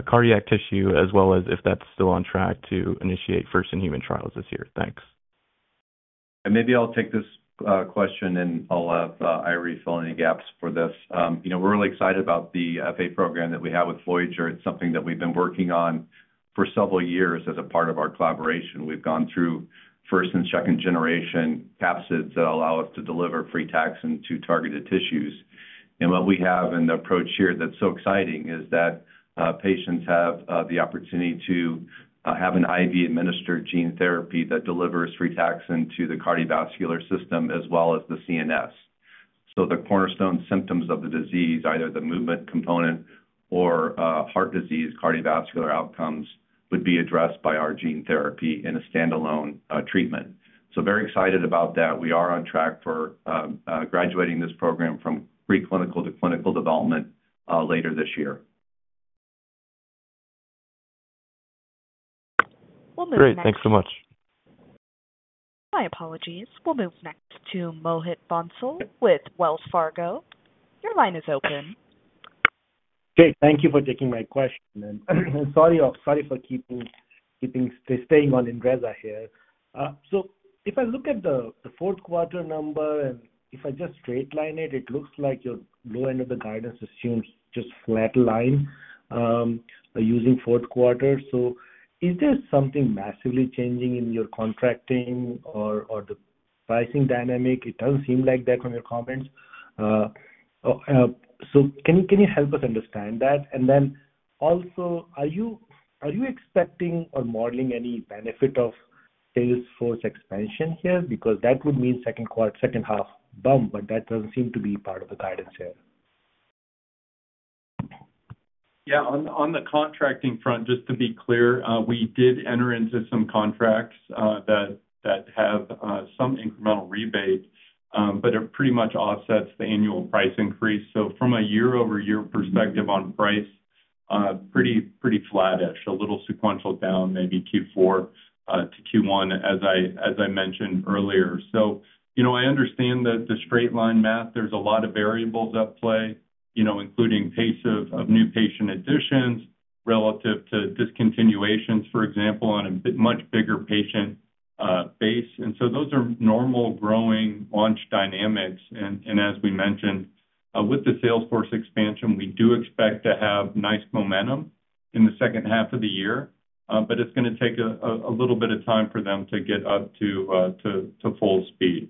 cardiac tissue, as well as if that's still on track to initiate first-in-human trials this year. Thanks.
And maybe I'll take this question and I'll have Eiry fill any gaps for this. We're really excited about the FA program that we have with Voyager. It's something that we've been working on for several years as a part of our collaboration. We've gone through first- and second-generation capsids that allow us to deliver frataxin to targeted tissues. And what we have in the approach here that's so exciting is that patients have the opportunity to have an IV-administered gene therapy that delivers frataxin to the cardiovascular system as well as the CNS. So the cornerstone symptoms of the disease, either the movement component or heart disease, cardiovascular outcomes would be addressed by our gene therapy in a standalone treatment. So very excited about that. We are on track for graduating this program from preclinical to clinical development later this year.
We'll move next.
Great. Thanks so much.
My apologies. We'll move next to Mohit Bansal with Wells Fargo. Your line is open.
Okay. Thank you for taking my question. And sorry for staying on Ingrezza here. So if I look at the fourth quarter number and if I just straight line it, it looks like your low end of the guidance assumes just flat line using fourth quarter. So is there something massively changing in your contracting or the pricing dynamic? It doesn't seem like that from your comments. So can you help us understand that? And then also, are you expecting or modeling any benefit of sales force expansion here? Because that would mean second half bump, but that doesn't seem to be part of the guidance here.
Yeah. On the contracting front, just to be clear, we did enter into some contracts that have some incremental rebate, but it pretty much offsets the annual price increase. So from a year-over-year perspective on price, pretty flattish, a little sequential down maybe Q4 to Q1, as I mentioned earlier. So I understand the straight line math. There's a lot of variables at play, including pace of new patient additions relative to discontinuations, for example, on a much bigger patient base. And so those are normal growing launch dynamics. And as we mentioned, with the sales force expansion, we do expect to have nice momentum in the second half of the year, but it's going to take a little bit of time for them to get up to full speed.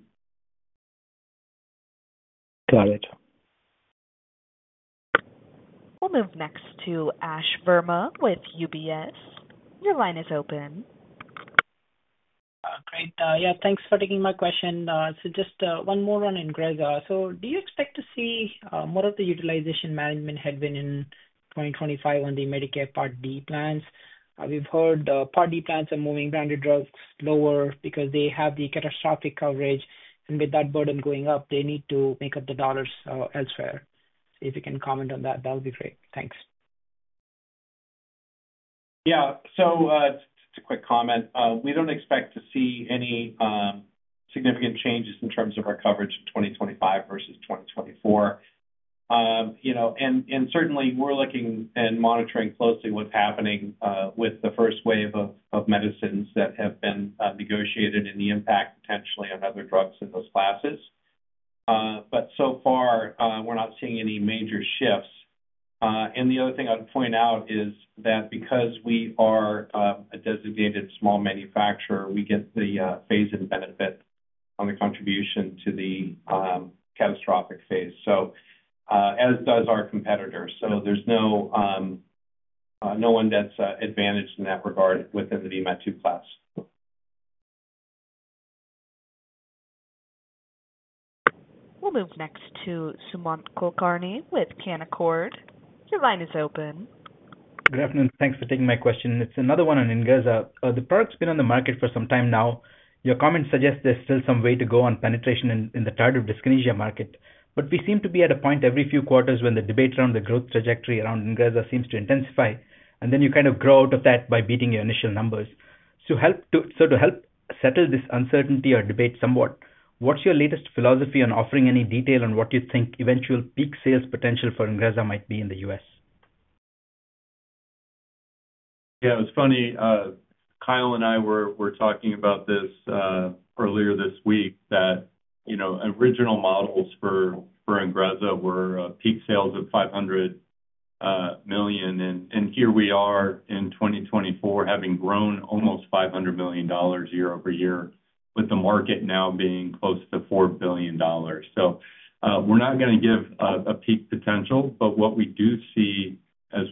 Got it.
We'll move next to Ash Verma with UBS. Your line is open.
Great. Yeah. Thanks for taking my question. So just one more on Ingrezza. So do you expect to see more of the utilization management headwind in 2025 on the Medicare Part D plans? We've heard the Part D plans are moving branded drugs lower because they have the catastrophic coverage. And with that burden going up, they need to make up the dollars elsewhere. If you can comment on that, that would be great. Thanks.
Yeah. So just a quick comment. We don't expect to see any significant changes in terms of our coverage in 2025 versus 2024, and certainly, we're looking and monitoring closely what's happening with the first wave of medicines that have been negotiated and the impact potentially on other drugs in those classes. But so far, we're not seeing any major shifts, and the other thing I'd point out is that because we are a designated small manufacturer, we get the phase-in benefit on the contribution to the catastrophic phase, as does our competitors. So there's no one that's advantaged in that regard within the VMAT2 class.
We'll move next to Sumant Kulkarni with Canaccord. Your line is open.
Good afternoon. Thanks for taking my question. It's another one on Ingrezza. The product's been on the market for some time now. Your comments suggest there's still some way to go on penetration in the tardive dyskinesia market. But we seem to be at a point every few quarters when the debate around the growth trajectory around Ingrezza seems to intensify, and then you kind of grow out of that by beating your initial numbers. So to help settle this uncertainty or debate somewhat, what's your latest philosophy on offering any detail on what you think eventual peak sales potential for Ingrezza might be in the U.S.?
Yeah. It's funny. Kyle and I were talking about this earlier this week that original models for Ingrezza were peak sales of $500 million. And here we are in 2024, having grown almost $500 million year over year, with the market now being close to $4 billion. So we're not going to give a peak potential, but what we do see, as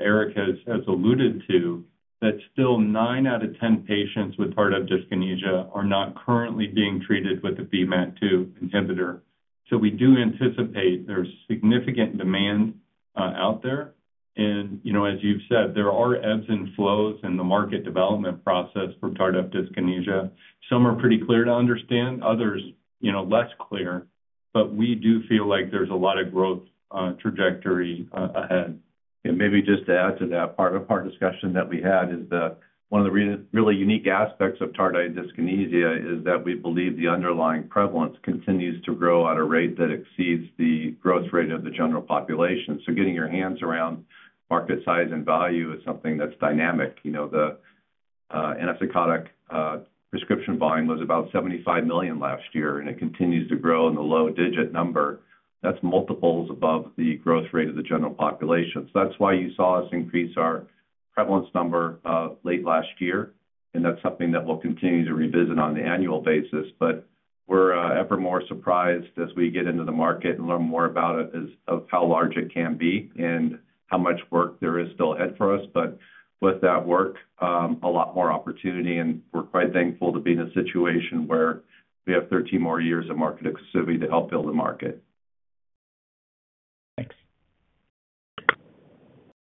Eric has alluded to, that still nine out of 10 patients with tardive dyskinesia are not currently being treated with a VMAT2 inhibitor. So we do anticipate there's significant demand out there. And as you've said, there are ebbs and flows in the market development process for tardive dyskinesia. Some are pretty clear to understand, others less clear, but we do feel like there's a lot of growth trajectory ahead. And maybe just to add to that part of our discussion that we had is that one of the really unique aspects of tardive dyskinesia is that we believe the underlying prevalence continues to grow at a rate that exceeds the growth rate of the general population. So getting your hands around market size and value is something that's dynamic. The antipsychotic prescription volume was about 75 million last year, and it continues to grow in the low single-digit number. That's multiples above the growth rate of the general population. So that's why you saw us increase our prevalence number late last year. And that's something that we'll continue to revisit on an annual basis. But we're ever more surprised as we get into the market and learn more about it of how large it can be and how much work there is still ahead for us. But with that work, a lot more opportunity. And we're quite thankful to be in a situation where we have 13 more years of market exclusivity to help build the market.
Thanks.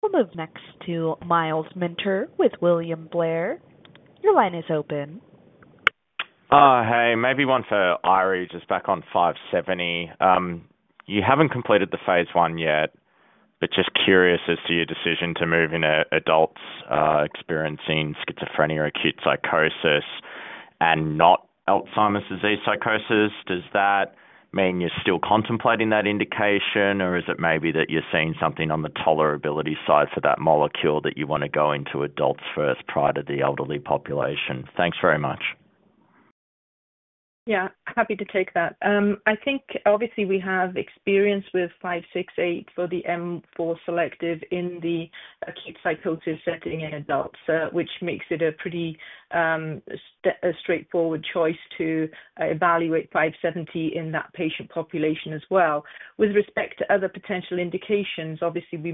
We'll move next to Miles Minter with William Blair. Your line is open.
Hi. Maybe one for Eiry. Just back on 570. You haven't completed the phase one yet, but just curious as to your decision to move into adults experiencing schizophrenia or acute psychosis and not Alzheimer's disease psychosis. Does that mean you're still contemplating that indication, or is it maybe that you're seeing something on the tolerability side for that molecule that you want to go into adults first prior to the elderly population? Thanks very much.
Yeah. Happy to take that. I think obviously we have experience with 568 for the M4 selective in the acute psychosis setting in adults, which makes it a pretty straightforward choice to evaluate 570 in that patient population as well. With respect to other potential indications, obviously we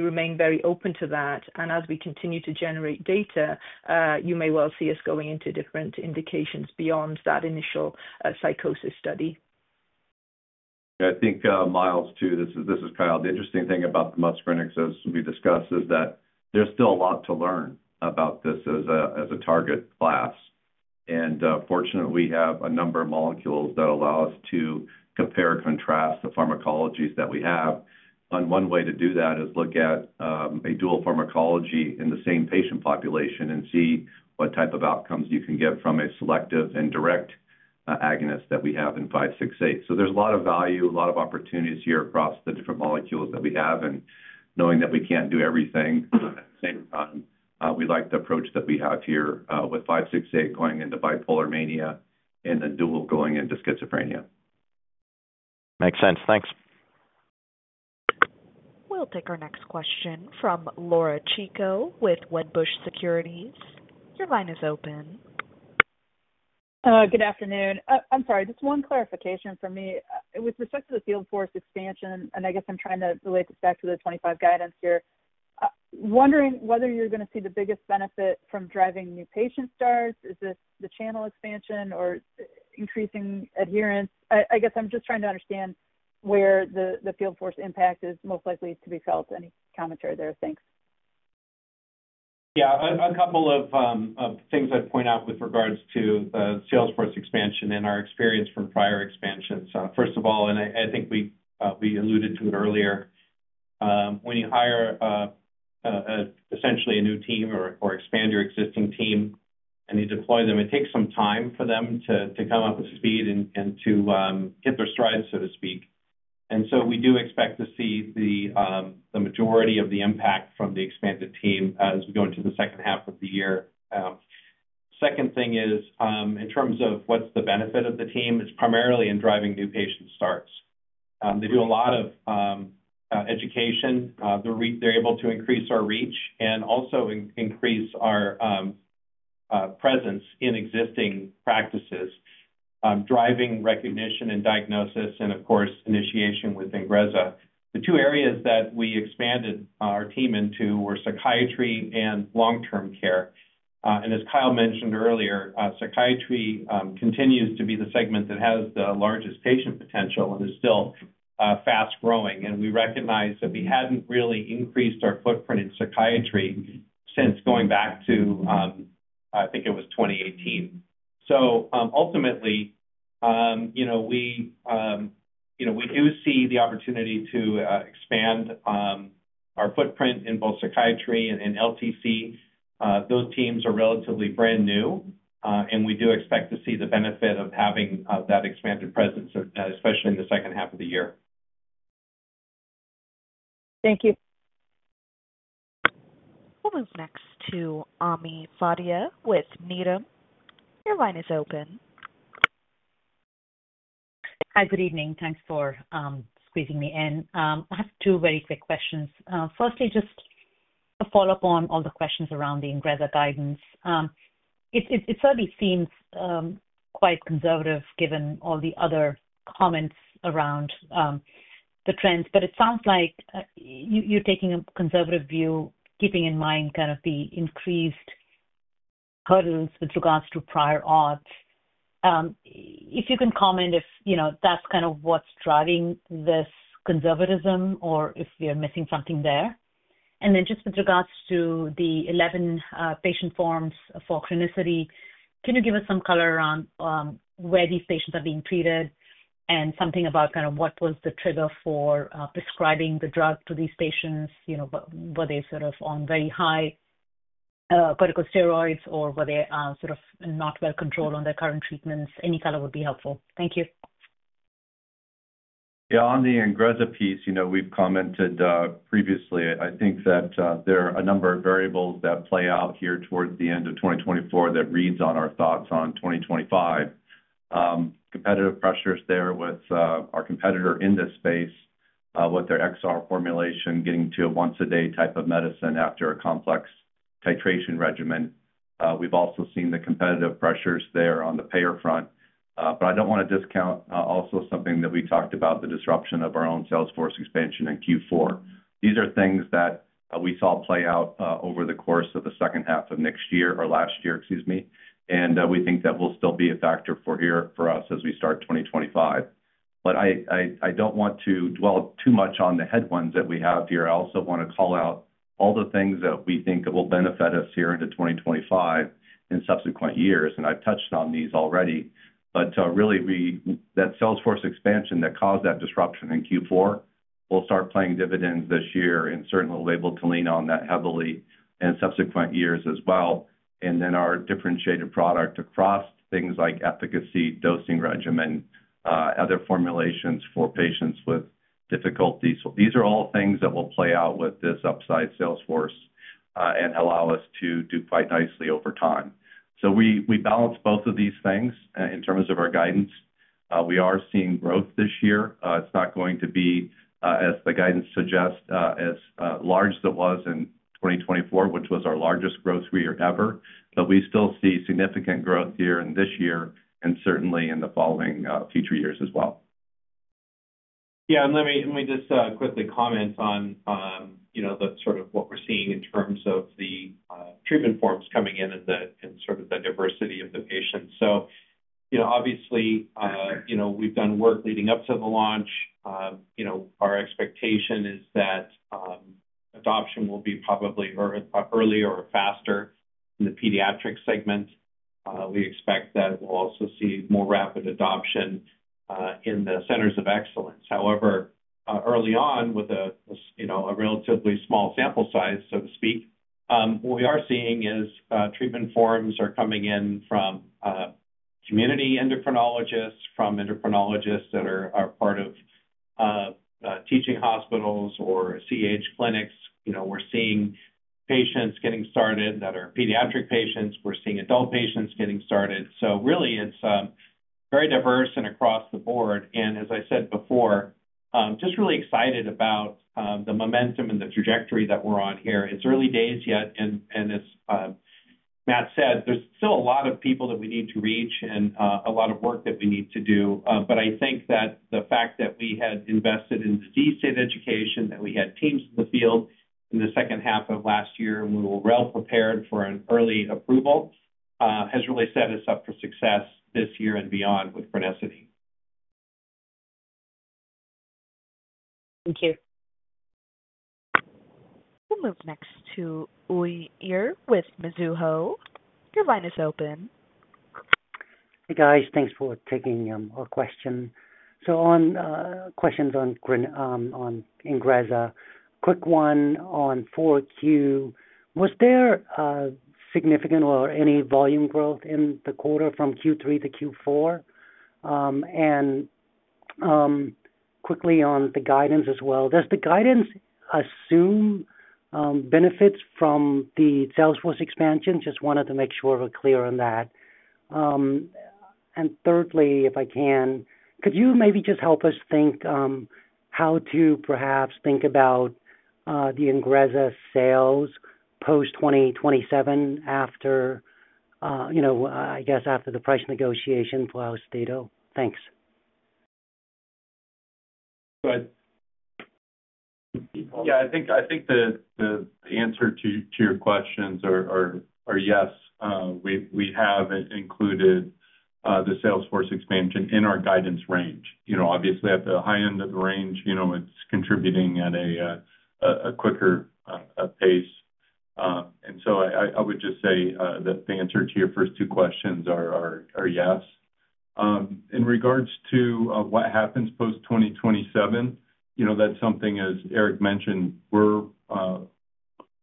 remain very open to that. And as we continue to generate data, you may well see us going into different indications beyond that initial psychosis study.
Yeah. I think Miles too, this is Kyle. The interesting thing about the muscarinics, as we discussed, is that there's still a lot to learn about this as a target class. And fortunately, we have a number of molecules that allow us to compare and contrast the pharmacologies that we have. And one way to do that is look at a dual pharmacology in the same patient population and see what type of outcomes you can get from a selective and direct agonist that we have in 568. So there's a lot of value, a lot of opportunities here across the different molecules that we have. And knowing that we can't do everything at the same time, we like the approach that we have here with 568 going into bipolar mania and the dual going into schizophrenia.
Makes sense. Thanks.
We'll take our next question from Laura Chico with Wedbush Securities. Your line is open.
Good afternoon. I'm sorry. Just one clarification from me. With respect to the field force expansion, and I guess I'm trying to relate this back to the 25 guidance here, wondering whether you're going to see the biggest benefit from driving new patient starts. Is this the channel expansion or increasing adherence? I guess I'm just trying to understand where the field force impact is most likely to be felt. Any commentary there? Thanks.
Yeah. A couple of things I'd point out with regards to the sales force expansion and our experience from prior expansions. First of all, and I think we alluded to it earlier, when you hire essentially a new team or expand your existing team and you deploy them, it takes some time for them to come up to speed and to hit their stride, so to speak. And so we do expect to see the majority of the impact from the expanded team as we go into the second half of the year. Second thing is, in terms of what's the benefit of the team, it's primarily in driving new patient starts. They do a lot of education. They're able to increase our reach and also increase our presence in existing practices, driving recognition and diagnosis, and of course, initiation with Ingrezza. The two areas that we expanded our team into were psychiatry and long-term care. And as Kyle mentioned earlier, psychiatry continues to be the segment that has the largest patient potential and is still fast-growing. And we recognize that we hadn't really increased our footprint in psychiatry since going back to, I think it was 2018. So ultimately, we do see the opportunity to expand our footprint in both psychiatry and LTC. Those teams are relatively brand new, and we do expect to see the benefit of having that expanded presence, especially in the second half of the year.
Thank you.
We'll move next to Ami Fadia with Needham. Your line is open.
Hi. Good evening. Thanks for squeezing me in. I have two very quick questions. Firstly, just a follow-up on all the questions around the Ingrezza guidance. It certainly seems quite conservative given all the other comments around the trends, but it sounds like you're taking a conservative view, keeping in mind kind of the increased hurdles with regards to prior auths. If you can comment if that's kind of what's driving this conservatism or if we are missing something there. And then just with regards to the 11 patient forms for Crinecerfont, can you give us some color around where these patients are being treated and something about kind of what was the trigger for prescribing the drug to these patients? Were they sort of on very high corticosteroids, or were they sort of not well controlled on their current treatments? Any color would be helpful. Thank you.
Yeah. On the Ingrezza piece, we've commented previously. I think that there are a number of variables that play out here towards the end of 2024 that reads on our thoughts on 2025. Competitive pressures there with our competitor in this space with their XR formulation getting to a once-a-day type of medicine after a complex titration regimen. We've also seen the competitive pressures there on the payer front. But I don't want to discount also something that we talked about, the disruption of our own sales force expansion in Q4. These are things that we saw play out over the course of the second half of next year or last year, excuse me. And we think that will still be a factor for us as we start 2025. But I don't want to dwell too much on the headwinds that we have here. I also want to call out all the things that we think will benefit us here into 2025 and subsequent years. And I've touched on these already. But really, that sales force expansion that caused that disruption in Q4 will start paying dividends this year and certainly will be able to lean on that heavily in subsequent years as well. And then our differentiated product across things like efficacy, dosing regimen, other formulations for patients with difficulties. These are all things that will play out with this up-sized sales force and allow us to do quite nicely over time. So we balance both of these things in terms of our guidance. We are seeing growth this year. It's not going to be, as the guidance suggests, as large as it was in 2024, which was our largest growth year ever. But we still see significant growth here in this year and certainly in the following future years as well.
Yeah. And let me just quickly comment on sort of what we're seeing in terms of the treatment forms coming in and sort of the diversity of the patients. So obviously, we've done work leading up to the launch. Our expectation is that adoption will be probably earlier or faster in the pediatric segment. We expect that we'll also see more rapid adoption in the centers of excellence. However, early on, with a relatively small sample size, so to speak, what we are seeing is treatment forms are coming in from community endocrinologists, from endocrinologists that are part of teaching hospitals or CAH clinics. We're seeing patients getting started that are pediatric patients. We're seeing adult patients getting started. So really, it's very diverse and across the board. And as I said before, just really excited about the momentum and the trajectory that we're on here. It's early days yet. And as Matt said, there's still a lot of people that we need to reach and a lot of work that we need to do. But I think that the fact that we had invested in disease state education, that we had teams in the field in the second half of last year, and we were well prepared for an early approval, has really set us up for success this year and beyond with Crinecerfont.
Thank you.
We'll move next to Uy Ear with Mizuho. Your line is open.
Hey, guys. Thanks for taking our question. So on questions on Ingrezza, quick one on Q4. Was there significant or any volume growth in the quarter from Q3 to Q4? And quickly on the guidance as well. Does the guidance assume benefits from the sales force expansion? Just wanted to make sure we're clear on that. And thirdly, if I can, could you maybe just help us think how to perhaps think about the Ingrezza sales post-2027, I guess, after the price negotiation for Austedo? Thanks.
Go ahead. Yeah. I think the answer to your questions are yes. We have included the sales force expansion in our guidance range. Obviously, at the high end of the range, it's contributing at a quicker pace. And so I would just say that the answer to your first two questions are yes. In regards to what happens post-2027, that's something, as Eric mentioned, we're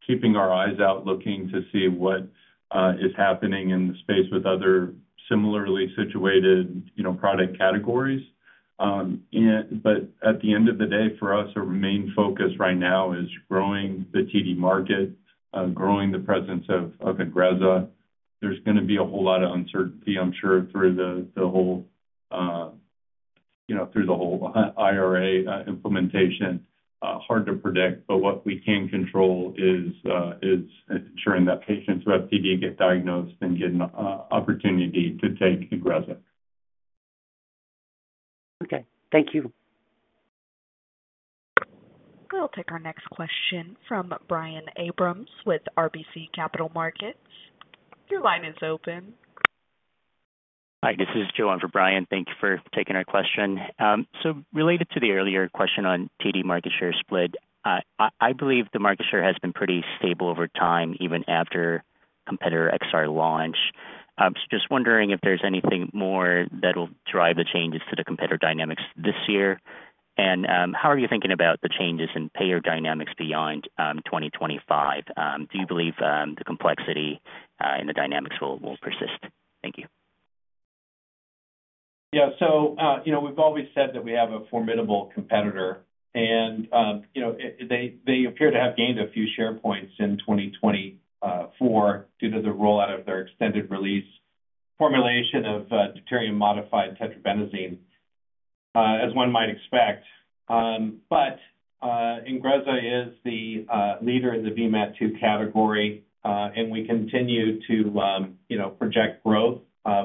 keeping our eyes out looking to see what is happening in the space with other similarly situated product categories. But at the end of the day, for us, our main focus right now is growing the TD market, growing the presence of Ingrezza. There's going to be a whole lot of uncertainty, I'm sure, through the whole IRA implementation. Hard to predict, but what we can control is ensuring that patients who have TD get diagnosed and get an opportunity to take Ingrezza.
Okay. Thank you.
We'll take our next question from Brian Abrahams with RBC Capital Markets. Your line is open.
Hi. This is Joan for Brian. Thank you for taking our question. Related to the earlier question on TD market share split, I believe the market share has been pretty stable over time, even after competitor XR launch. Just wondering if there's anything more that will drive the changes to the competitor dynamics this year. How are you thinking about the changes in payer dynamics beyond 2025? Do you believe the complexity in the dynamics will persist? Thank you.
Yeah. So we've always said that we have a formidable competitor. And they appear to have gained a few share points in 2024 due to the rollout of their extended release formulation of deuterium-modified tetrabenazine, as one might expect. But Ingrezza is the leader in the VMAT2 category. And we continue to project growth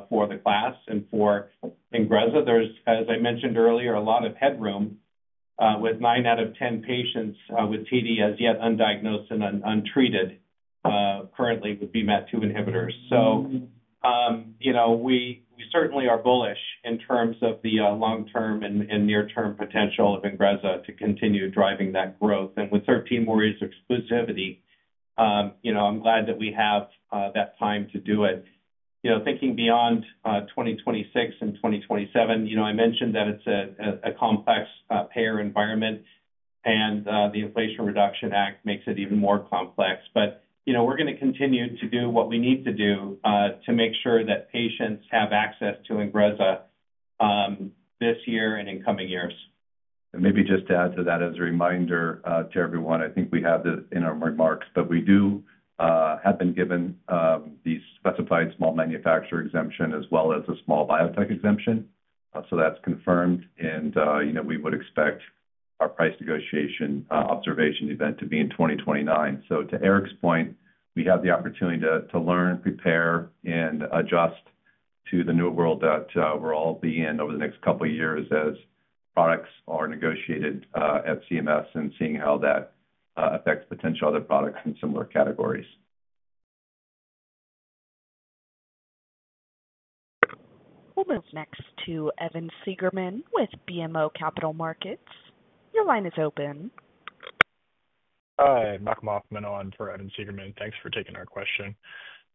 for the class and for Ingrezza. There's, as I mentioned earlier, a lot of headroom with nine out of 10 patients with TD as yet undiagnosed and untreated currently with VMAT2 inhibitors. So we certainly are bullish in terms of the long-term and near-term potential of Ingrezza to continue driving that growth. And with 13 years of exclusivity, I'm glad that we have that time to do it. Thinking beyond 2026 and 2027, I mentioned that it's a complex payer environment, and the Inflation Reduction Act makes it even more complex. But we're going to continue to do what we need to do to make sure that patients have access to Ingrezza this year and in coming years.
And maybe just to add to that as a reminder to everyone, I think we have this in our remarks, but we have been given the specified small manufacturer exemption as well as a small biotech exemption. So that's confirmed. And we would expect our price negotiation observation event to be in 2029. So to Eric's point, we have the opportunity to learn, prepare, and adjust to the new world that we're all being in over the next couple of years as products are negotiated at CMS and seeing how that affects potential other products in similar categories.
We'll move next to Evan Seigerman with BMO Capital Markets. Your line is open.
Hi. Marc Morgenthau on for Evan Seigerman. Thanks for taking our question.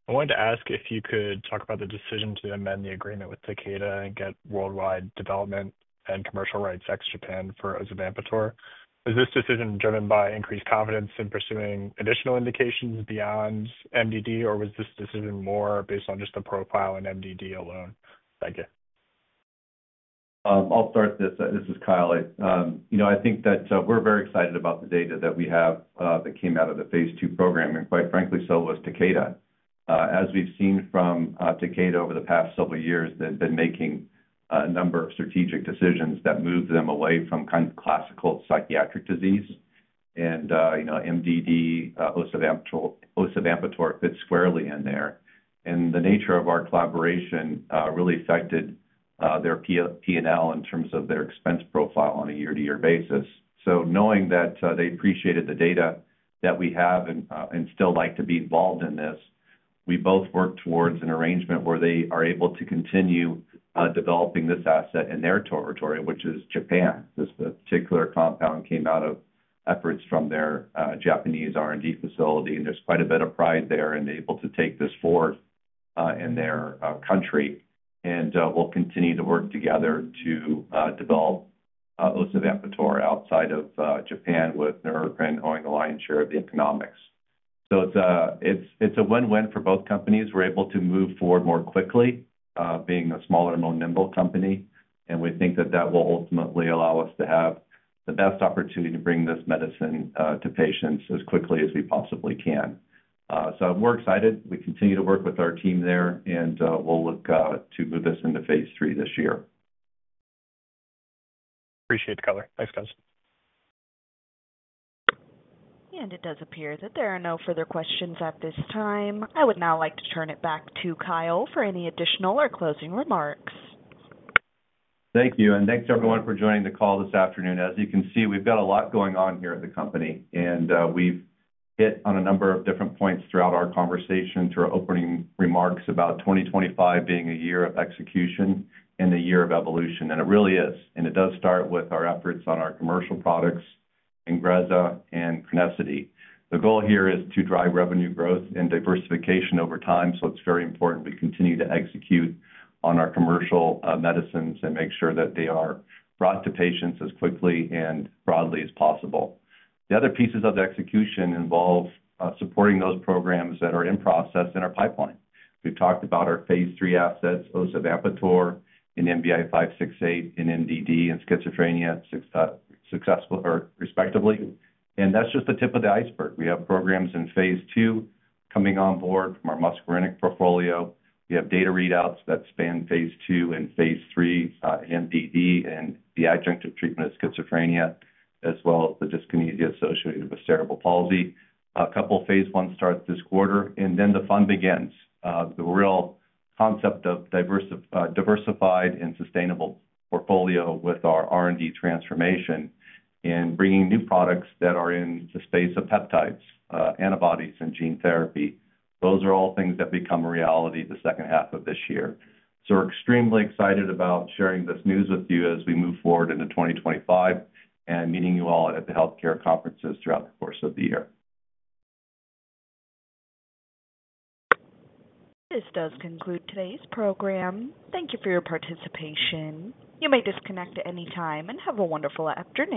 I wanted to ask if you could talk about the decision to amend the agreement with Takeda and get worldwide development and commercial rights ex-Japan for osavampator. Is this decision driven by increased confidence in pursuing additional indications beyond MDD, or was this decision more based on just the profile in MDD alone? Thank you.
I'll start this. This is Kyle. I think that we're very excited about the data that we have that came out of the phase two program, and quite frankly, so was Takeda. As we've seen from Takeda over the past several years, they've been making a number of strategic decisions that move them away from classical psychiatric disease, and MDD, osavampator fits squarely in there, and the nature of our collaboration really affected their P&L in terms of their expense profile on a year-to-year basis, so knowing that they appreciated the data that we have and still like to be involved in this, we both work towards an arrangement where they are able to continue developing this asset in their territory, which is Japan. This particular compound came out of efforts from their Japanese R&D facility. There's quite a bit of pride there in being able to take this forward in their country. We'll continue to work together to develop osavampator outside of Japan with their expertise and owning a lion's share of the economics. It's a win-win for both companies. We're able to move forward more quickly, being a smaller and more nimble company. We think that that will ultimately allow us to have the best opportunity to bring this medicine to patients as quickly as we possibly can. We're excited. We continue to work with our team there, and we'll look to move this into phase three this year.
Appreciate it, Kyle. Thanks, guys.
It does appear that there are no further questions at this time. I would now like to turn it back to Kyle for any additional or closing remarks.
Thank you, and thanks to everyone for joining the call this afternoon. As you can see, we've got a lot going on here at the company. We've hit on a number of different points throughout our conversation through our opening remarks about 2025 being a year of execution and a year of evolution. It really is. It does start with our efforts on our commercial products, Ingrezza, and Crinecerfont. The goal here is to drive revenue growth and diversification over time. It's very important we continue to execute on our commercial medicines and make sure that they are brought to patients as quickly and broadly as possible. The other pieces of the execution involve supporting those programs that are in process in our pipeline. We've talked about our phase three assets, osavampator and NBI-568 and MDD and schizophrenia successfully, respectively. And that's just the tip of the iceberg. We have programs in phase two coming on board from our muscarinic portfolio. We have data readouts that span phase two and phase three in MDD and the adjunctive treatment of schizophrenia, as well as the dyskinesia associated with cerebral palsy. A couple of phase one starts this quarter. And then the fun begins. The real concept of diversified and sustainable portfolio with our R&D transformation and bringing new products that are in the space of peptides, antibodies, and gene therapy. Those are all things that become a reality the second half of this year. So we're extremely excited about sharing this news with you as we move forward into 2025 and meeting you all at the healthcare conferences throughout the course of the year.
This does conclude today's program. Thank you for your participation. You may disconnect at any time and have a wonderful afternoon.